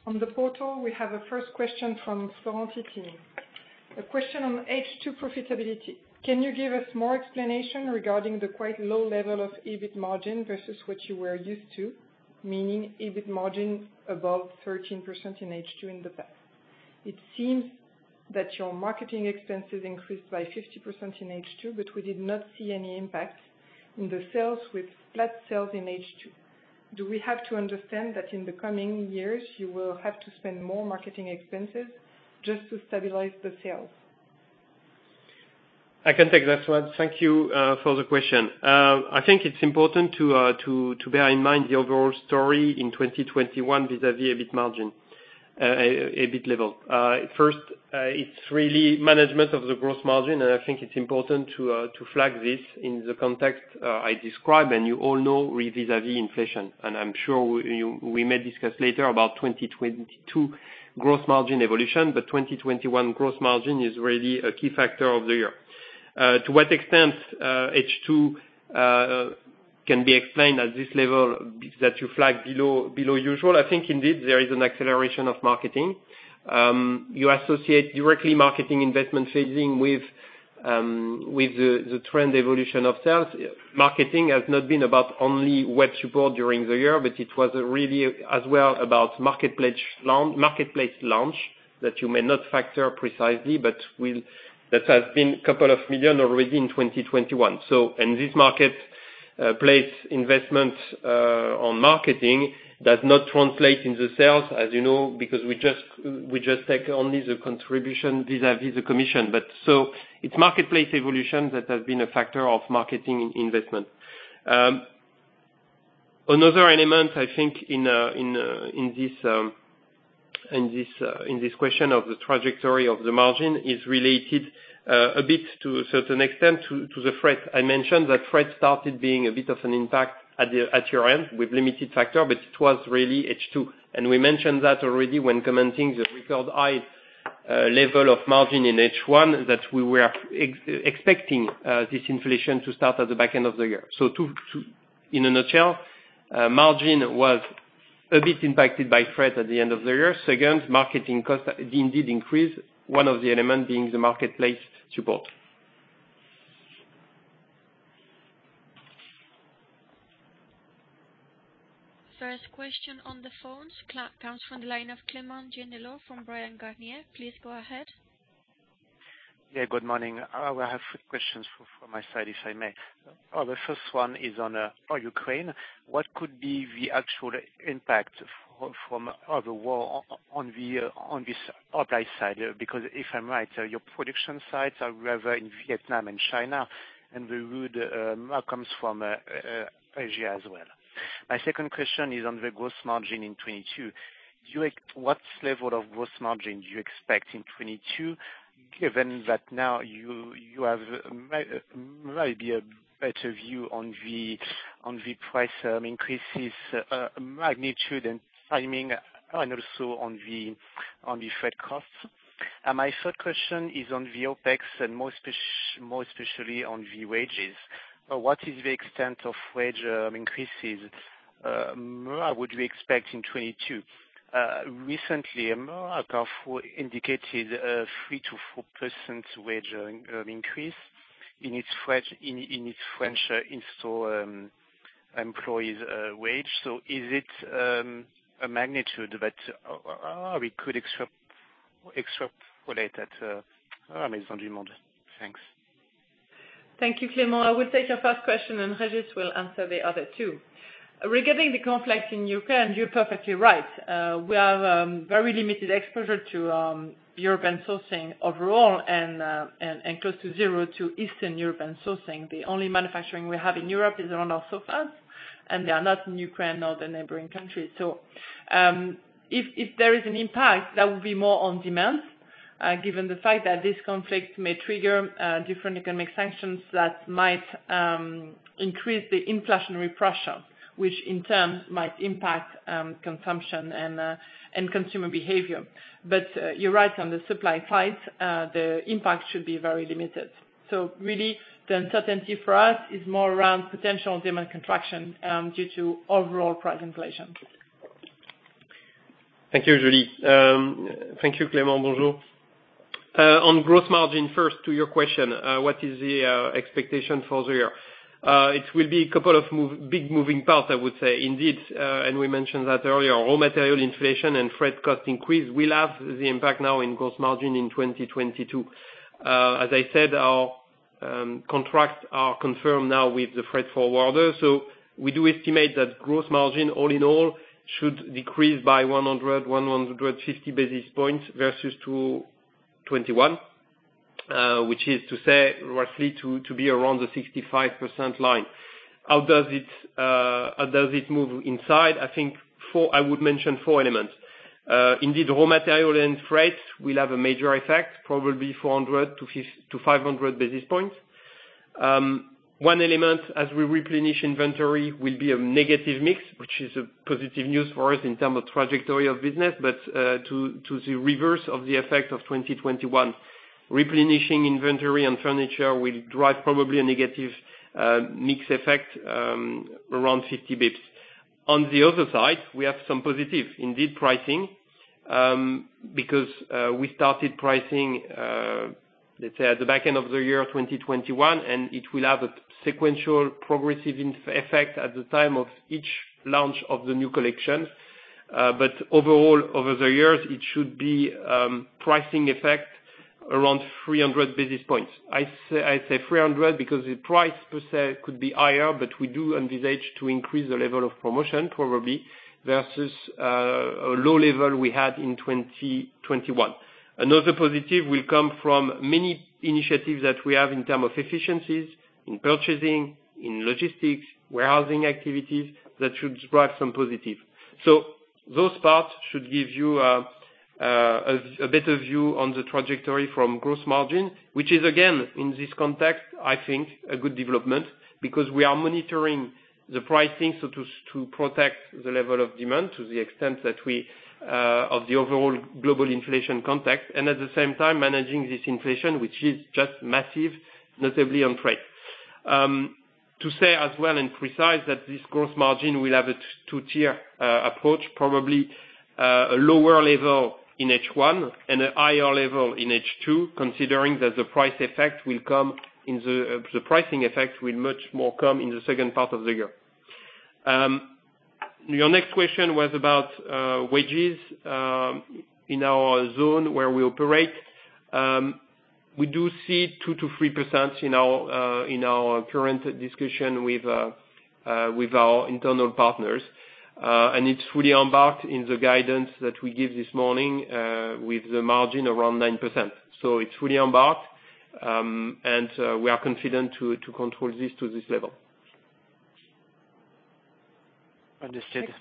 On the portal, we have a first question from Florentine. A question on H2 profitability. Can you give us more explanation regarding the quite low level of EBIT margin versus what you were used to? Meaning EBIT margin above 13% in H2 in the past. It seems that your marketing expenses increased by 50% in H2, but we did not see any impact in the sales with flat sales in H2. Do we have to understand that in the coming years you will have to spend more marketing expenses just to stabilize the sales? I can take that one. Thank you for the question. I think it's important to bear in mind the overall story in 2021 vis-à-vis EBIT margin, EBIT level. First, it's really management of the gross margin, and I think it's important to flag this in the context I described and you all know vis-à-vis inflation. I'm sure we may discuss later about 2022 gross margin evolution, but 2021 gross margin is really a key factor of the year. To what extent H2 can be explained at this level by the fact that you flagged below usual? I think indeed there is an acceleration of marketing. You associate directly marketing investment phasing with the trend evolution of sales. Marketing has not been about only web support during the year, but it was really as well about marketplace launch that you may not factor precisely, but will. That has been a couple of million already in 2021. In this marketplace investment on marketing does not translate into sales, as you know, because we just take only the contribution vis-à-vis the commission. It's marketplace evolution that has been a factor of marketing investment. Another element I think in this question of the trajectory of the margin is related a bit to a certain extent to the freight. I mentioned that freight started being a bit of an impact at year-end with limited factor, but it was really H2. We mentioned that already when commenting the record high level of margin in H1, that we were expecting this inflation to start at the back end of the year. In a nutshell, margin was a bit impacted by freight at the end of the year. Second, marketing costs did indeed increase, one of the element being the marketplace support. First question on the phone comes from the line of Clément Genelot from Bryan Garnier & Co. Please go ahead. Yeah, good morning. I have three questions from my side, if I may. The first one is on Ukraine. What could be the actual impact from the war on this supply side? Because if I'm right, your production sites are rather in Vietnam and China, and the wood comes from Asia as well. My second question is on the gross margin in 2022. What level of gross margin do you expect in 2022, given that now you have maybe a better view on the price increases magnitude and timing, and also on the freight costs? My third question is on the OpEx and most especially on the wages. What is the extent of wage increases? What more would we expect in 2022? Recently, Carrefour indicated a 3%-4% wage increase in its French in-store employees' wage. Is it a magnitude that we could extrapolate at? Thanks. Thank you, Clément. I will take your first question and Régis will answer the other two. Regarding the conflict in Ukraine, you're perfectly right. We have very limited exposure to European sourcing overall and close to zero to Eastern European sourcing. The only manufacturing we have in Europe is around our sofas, and they are not in Ukraine nor the neighboring countries. If there is an impact, that would be more on demand given the fact that this conflict may trigger different economic sanctions that might increase the inflationary pressure, which in turn might impact consumption and consumer behavior. You're right on the supply side. The impact should be very limited. Really the uncertainty for us is more around potential demand contraction due to overall price inflation. Thank you, Julie. Thank you, Clément. Bonjour. On gross margin, first to your question, what is the expectation for the year? It will be a couple of big moving parts, I would say. Indeed, we mentioned that earlier, raw material inflation and freight cost increase will have the impact now in gross margin in 2022. As I said, our contracts are confirmed now with the freight forwarder. So we do estimate that gross margin all in all should decrease by 150 basis points versus 2021, which is to say roughly to be around the 65% line. How does it move inside? I would mention four elements. Indeed, raw material and freights will have a major effect, probably 400-500 basis points. One element as we replenish inventory will be a negative mix, which is a positive news for us in terms of trajectory of business. To the reverse of the effect of 2021 Replenishing inventory and furniture will drive probably a negative mix effect around 50 basis points. On the other side, we have some positive in lead pricing because we started pricing let's say at the back end of the year 2021, and it will have a sequential progressive effect at the time of each launch of the new collection. Overall, over the years, it should be pricing effect around 300 basis points. I say 300 because the price per se could be higher, but we do envisage to increase the level of promotion probably versus a low level we had in 2021. Another positive will come from many initiatives that we have in terms of efficiencies in purchasing, in logistics, warehousing activities that should drive some positive. Those parts should give you a better view on the trajectory from gross margin, which is again, in this context, I think a good development because we are monitoring the pricing so to protect the level of demand to the extent that we can in the overall global inflation context, and at the same time managing this inflation, which is just massive, notably on price. To say as well, and to be precise, that this gross margin will have a two-tier approach, probably, a lower level in H1 and a higher level in H2, considering that the pricing effect will much more come in the second part of the year. Your next question was about wages. In our zone where we operate, we do see 2%-3% in our current discussion with our internal partners. It's fully embedded in the guidance that we give this morning, with the margin around 9%. It's fully embedded, and we are confident to control this to this level. Understood.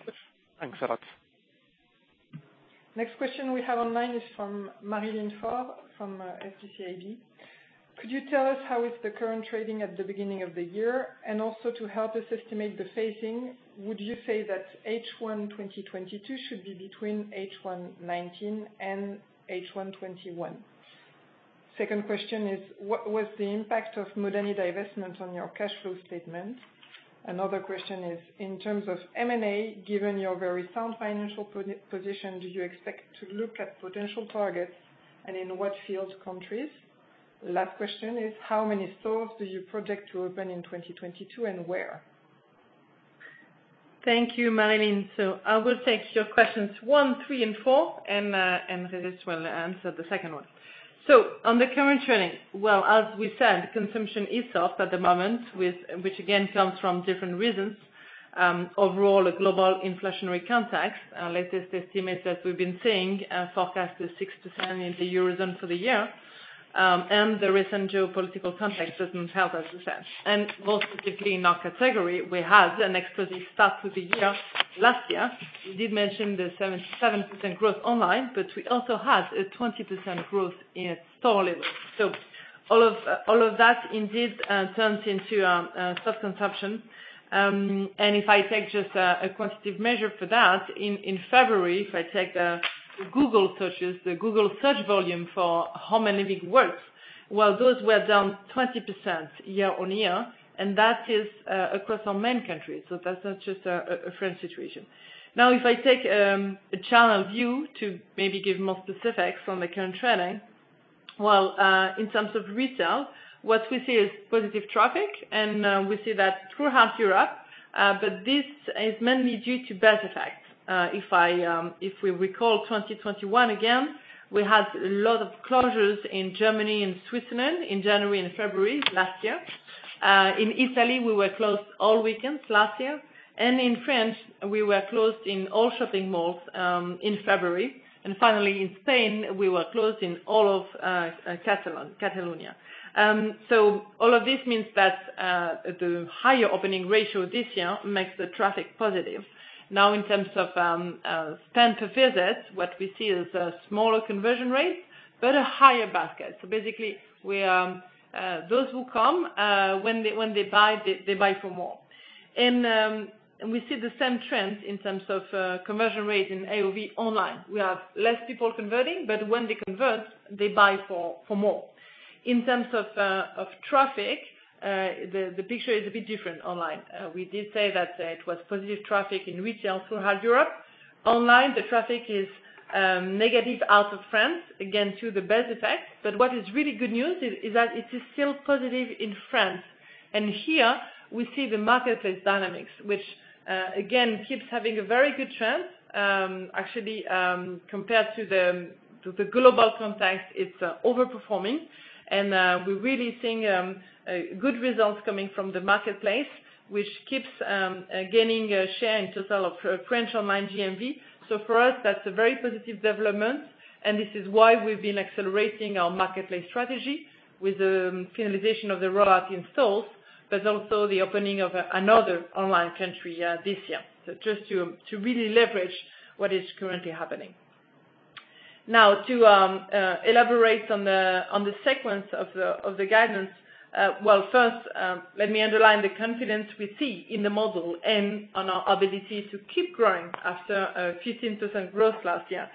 Thanks a lot. Next question we have online is from Marlène Faur from HSBC. Could you tell us how is the current trading at the beginning of the year? And also to help us estimate the phasing, would you say that H1 2022 should be between H1 2019 and H1 2021? Second question is, what was the impact of Modani divestment on your cash flow statement? Another question is, in terms of M&A, given your very sound financial position, do you expect to look at potential targets and in what field countries? Last question is, how many stores do you project to open in 2022 and where? Thank you, Marlène Faur. I will take your questions one, three, and four, and Régis Massuyeau will answer the second one. On the current trading, well, as we said, consumption is soft at the moment with which again comes from different reasons. Overall, a global inflationary context. Our latest estimates that we've been seeing forecast a 6% in the Eurozone for the year, and the recent geopolitical context doesn't help as we said. More specifically in our category, we had an explosive start to the year last year. We did mention the 7% growth online, but we also had a 20% growth in store level. All of that indeed turns into soft consumption. If I take the Google searches, the Google search volume for home living works, while those were down 20% year-over-year, and that is across our main countries. That's not just a France situation. Now, if I take a channel view to maybe give more specifics on the current trending, well, in terms of retail, what we see is positive traffic, and we see that throughout Europe, but this is mainly due to base effect. If we recall 2021 again, we had a lot of closures in Germany and Switzerland in January and February last year. In Italy, we were closed all weekends last year. In France, we were closed in all shopping malls in February. Finally in Spain, we were closed in all of Catalonia. All of this means that the higher opening ratio this year makes the traffic positive. Now, in terms of spend to visit, what we see is a smaller conversion rate, but a higher basket. Basically those who come, when they buy, they buy for more. We see the same trends in terms of conversion rate in AOV online. We have less people converting, but when they convert, they buy for more. In terms of traffic, the picture is a bit different online. We did say that it was positive traffic in retail throughout Europe. Online, the traffic is negative out of France, again, to the base effect. What is really good news is that it is still positive in France. Here we see the marketplace dynamics, which again keeps having a very good trend. Actually, compared to the global context, it's overperforming. We're really seeing good results coming from the marketplace, which keeps gaining share in total of French online GMV. For us, that's a very positive development, and this is why we've been accelerating our marketplace strategy with the finalization of the rollout in stores, but also the opening of another online country this year. Just to really leverage what is currently happening. Now to elaborate on the sequence of the guidance, well, first, let me underline the confidence we see in the model and on our ability to keep growing after a 15% growth last year.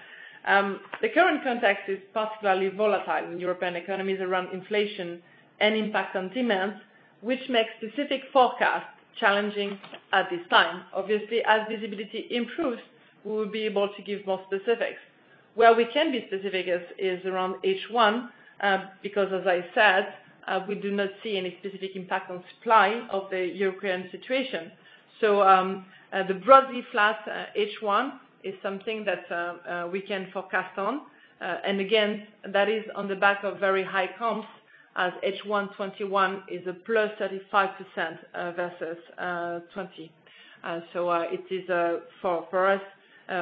The current context is particularly volatile in European economies around inflation and impact on demand. Which makes specific forecasts challenging at this time. Obviously, as visibility improves, we will be able to give more specifics. Where we can be specific is around H1, because as I said, we do not see any specific impact on supply of the European situation. The broadly flat H1 is something that we can forecast on. Again, that is on the back of very high comps as H1 2021 is a +35%, versus 2020. It is for us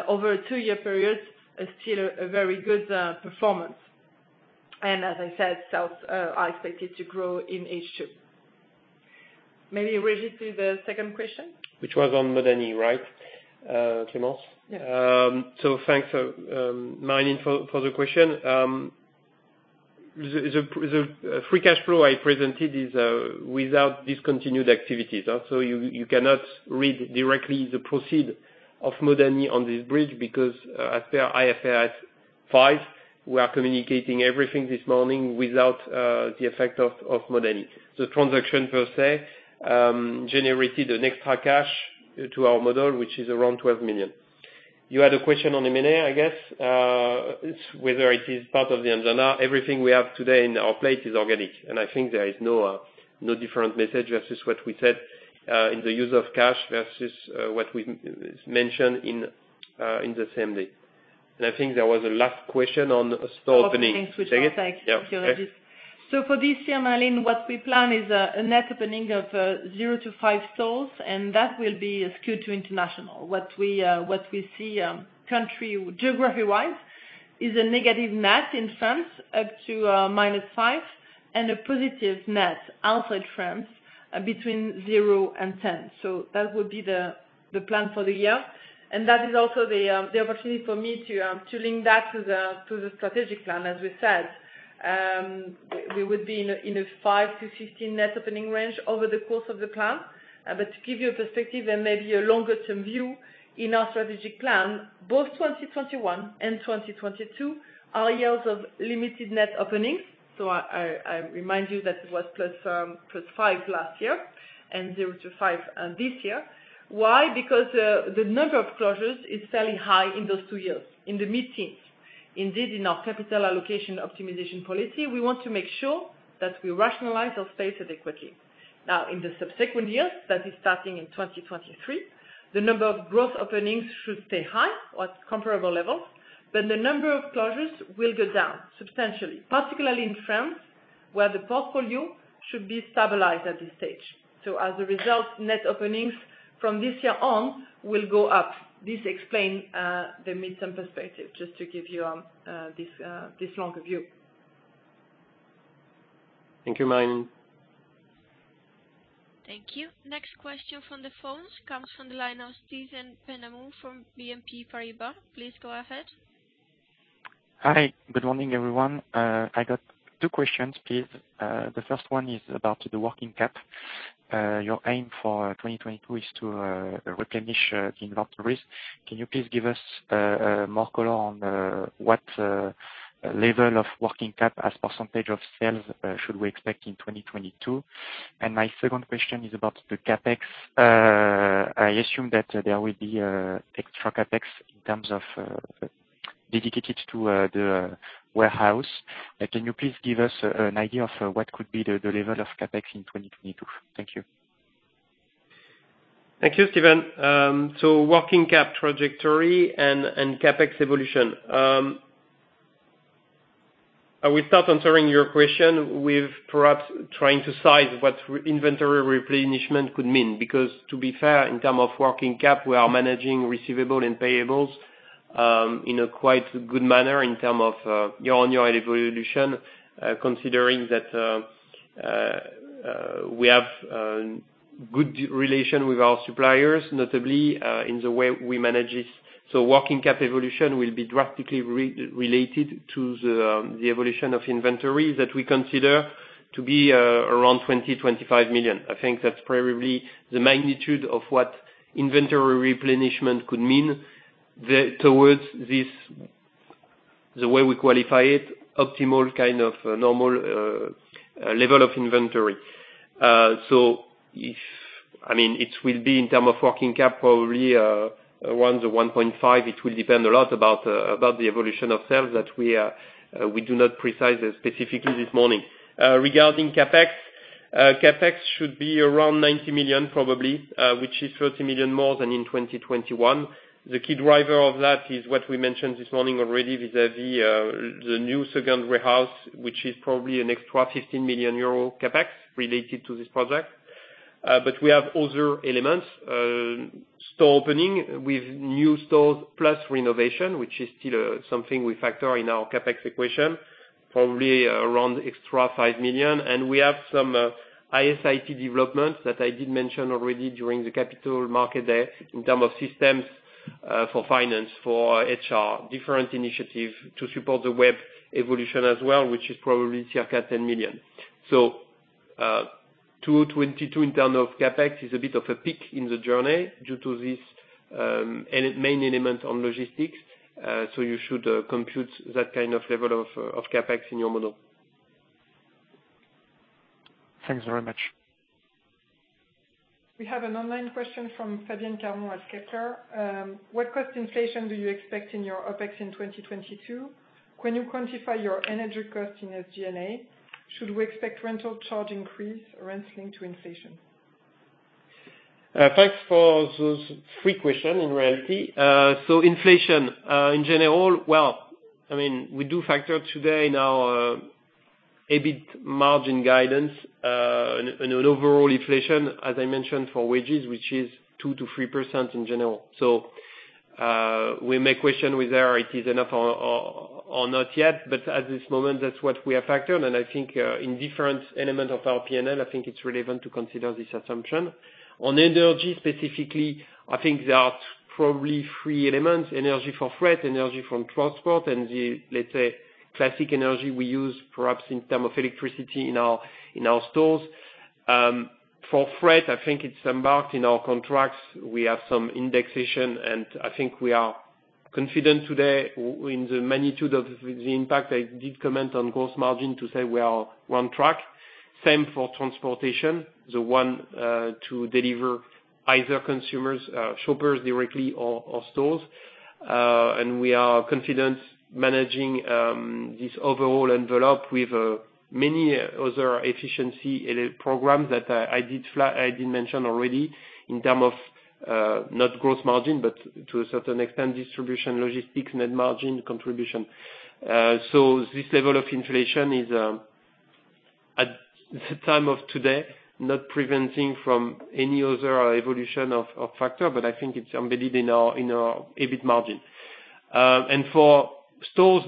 over a two-year period still a very good performance. As I said, sales are expected to grow in H2. Maybe Régis do the second question. Which was on Modani, right, Clémence Mignot-Dupeyrot? Yeah. So thanks, Marlene, for the question. The free cash flow I presented is without discontinued activities. So you cannot read directly the proceeds of Modani on this bridge because, as per IFRS 5, we are communicating everything this morning without the effect of Modani. The transaction per se generated an extra cash to our model, which is around 12 million. You had a question on M&A, I guess. It's whether it is part of the agenda. Everything we have today in our plate is organic, and I think there is no different message versus what we said in the use of cash versus what we mentioned in the CMD. I think there was a last question on store opening. Store openings, which I'll take. Yeah. Thank you, Régis. For this year, Marlene, what we plan is a net opening of zero-five stores, and that will be skewed to international. What we see, country or geography-wise is a negative net in France up to -5, and a positive net outside France between zero and 10. That would be the plan for the year. That is also the opportunity for me to link that to the strategic plan. As we said, we would be in a five-15 net opening range over the course of the plan. To give you a perspective and maybe a longer term view, in our strategic plan, both 2021 and 2022 are years of limited net openings. I remind you that it was +5 last year and zero-five this year. Why? Because the number of closures is fairly high in those two years, in the mid-teens. Indeed, in our capital allocation optimization policy, we want to make sure that we rationalize our space adequately. Now, in the subsequent years, that is starting in 2023, the number of growth openings should stay high or at comparable levels. Then the number of closures will go down substantially, particularly in France, where the portfolio should be stabilized at this stage. As a result, net openings from this year on will go up. This explains the midterm perspective, just to give you this longer view. Thank you, Marlene. Thank you. Next question from the phones comes from the line of Steven Penam from BNP Paribas. Please go ahead. Hi, good morning, everyone. I got two questions, please. The first one is about the working cap. Your aim for 2022 is to replenish the inventories. Can you please give us more color on what level of working cap as percentage of sales should we expect in 2022? My second question is about the CapEx. I assume that there will be extra CapEx in terms of dedicated to the warehouse. Can you please give us an idea of what could be the level of CapEx in 2022? Thank you. Thank you, Steven. Working cap trajectory and CapEx evolution. I will start answering your question with perhaps trying to size what inventory replenishment could mean. Because to be fair, in terms of working cap, we are managing receivables and payables in a quite good manner in terms of year-on-year evolution. Considering that we have good relations with our suppliers, notably in the way we manage this. Working cap evolution will be drastically related to the evolution of inventory that we consider to be around 20-25 million. I think that's probably the magnitude of what inventory replenishment could mean towards this, the way we qualify it, optimal kind of normal level of inventory. If. I mean, it will be in terms of working cap probably 1 to 1.5. It will depend a lot about the evolution of sales that we do not specify it specifically this morning. Regarding CapEx should be around 90 million probably, which is 30 million more than in 2021. The key driver of that is what we mentioned this morning already vis-à-vis the new second warehouse, which is probably an extra 15 million euro CapEx related to this project. But we have other elements, store opening with new stores plus renovation, which is still something we factor in our CapEx equation, probably around extra 5 million. We have some IS/IT development that I did mention already during the Capital Markets Day in terms of systems for finance, for HR, different initiatives to support the web evolution as well, which is probably circa 10 million. 2022 in terms of CapEx is a bit of a peak in the journey due to this, and its main element on logistics. You should compute that kind of level of CapEx in your model. Thanks very much. We have an online question from Fabien Carmout at Kepler. What cost inflation do you expect in your OpEx in 2022? Can you quantify your energy cost in SG&A? Should we expect rental charge increase or rent link to inflation? Thanks for those three questions in reality. Inflation, in general, well, I mean, we do factor today in our EBIT margin guidance in an overall inflation, as I mentioned for wages, which is 2%-3% in general. We may question whether it is enough or not yet, but at this moment, that's what we have factored. I think in different elements of our P&L, I think it's relevant to consider this assumption. On energy specifically, I think there are probably three elements. Energy for freight, energy from transport, and the, let's say, classic energy we use perhaps in terms of electricity in our stores. For freight, I think it's embarked in our contracts. We have some indexation, and I think we are confident today within the magnitude of the impact. I did comment on gross margin to say we are on track. Same for transportation, the way to deliver either consumers or shoppers directly or stores. We are confident managing this overall envelope with many other efficiency programs that I did mention already in terms of not gross margin, but to a certain extent, distribution, logistics, net margin contribution. This level of inflation is, as of today, not preventing from any other evolution of factors, but I think it's embedded in our EBIT margin. For stores,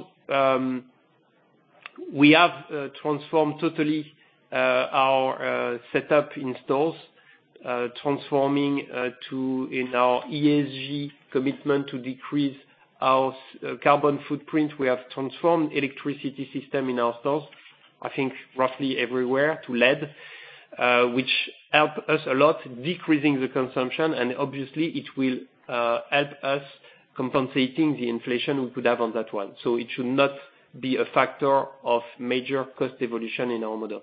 we have transformed totally our setup in stores, transforming in our ESG commitment to decrease our carbon footprint. We have transformed electricity system in our stores, I think roughly everywhere to LED, which help us a lot decreasing the consumption, and obviously it will help us compensating the inflation we could have on that one. It should not be a factor of major cost evolution in our model.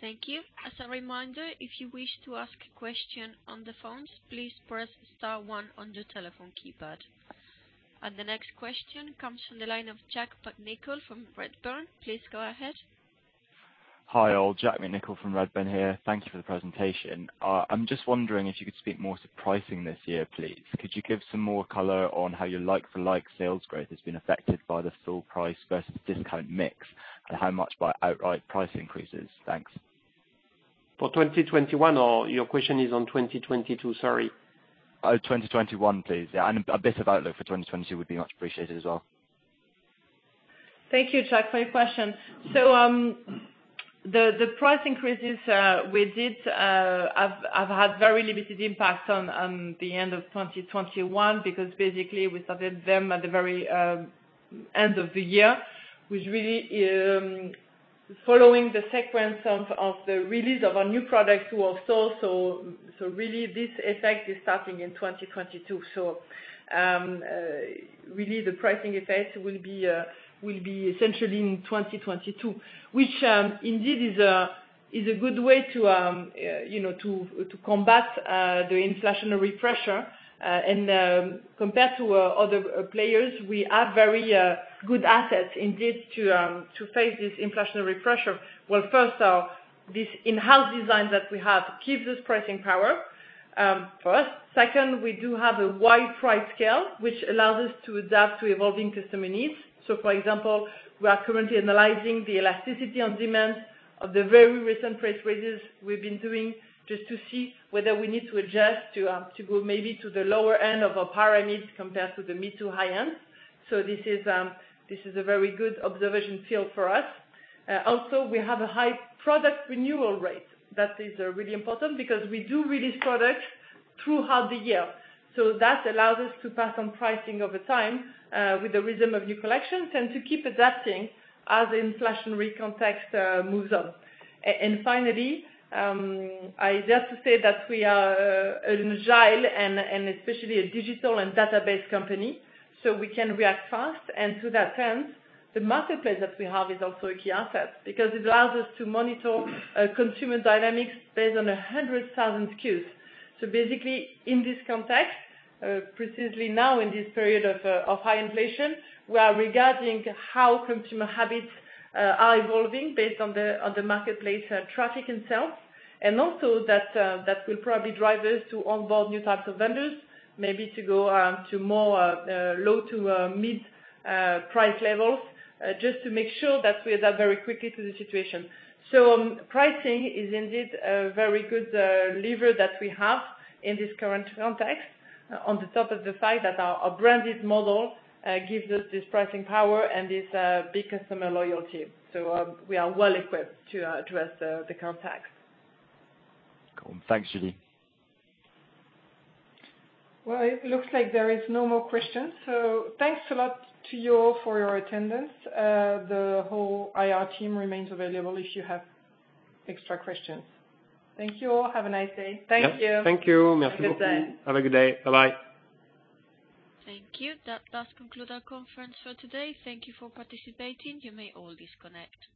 Thank you. As a reminder, if you wish to ask a question on the phones, please press star one on your telephone keypad. The next question comes from the line of Jack McNicol from Redburn. Please go ahead. Hi all. Jack McNicol from Redburn here. Thank you for the presentation. I'm just wondering if you could speak more to pricing this year, please. Could you give some more color on how your like-for-like sales growth has been affected by the full price versus discount mix, and how much by outright price increases? Thanks. For 2021 or your question is on 2022? Sorry. 2021 please. Yeah, and a bit of outlook for 2022 would be much appreciated as well. Thank you, Jack, for your question. The price increases we had very limited impact on the end of 2021, because basically we started them at the very end of the year with really following the sequence of the release of our new products to our store. Really this effect is starting in 2022. Really the pricing effect will be essentially in 2022. Which indeed is a good way to you know combat the inflationary pressure, and compared to other players, we have very good assets indeed to face this inflationary pressure. Well, first our in-house design that we have keeps this pricing power for us. Second, we do have a wide price scale, which allows us to adapt to evolving customer needs. For example, we are currently analyzing the elasticity of demand of the very recent price raises we've been doing, just to see whether we need to adjust to go maybe to the lower end of our pyramid compared to the mid to high end. This is a very good observation field for us. Also we have a high product renewal rate. That is, really important because we do release product throughout the year. That allows us to pass on pricing over time, with the rhythm of new collection and to keep adapting as inflationary context moves on. Finally, I just say that we are an agile and especially a digital and database company, so we can react fast. To that end, the marketplace that we have is also a key asset because it allows us to monitor consumer dynamics based on 100,000 SKUs. Basically in this context, precisely now in this period of high inflation, we are regarding how consumer habits are evolving based on the marketplace traffic itself. Also, that will probably drive us to onboard new types of vendors, maybe to go to more low to mid price levels, just to make sure that we adapt very quickly to the situation. Pricing is indeed a very good lever that we have in this current context on top of the fact that our branded model gives us this pricing power and this big customer loyalty. We are well equipped to address the context. Cool. Thanks, Julie. Well, it looks like there is no more questions, so thanks a lot to you all for your attendance. The whole IR team remains available if you have extra questions. Thank you all. Have a nice day. Thank you. Yep. Thank you. Have a good day. Have a good day. Bye-bye. Thank you. That does conclude our conference for today. Thank you for participating. You may all disconnect.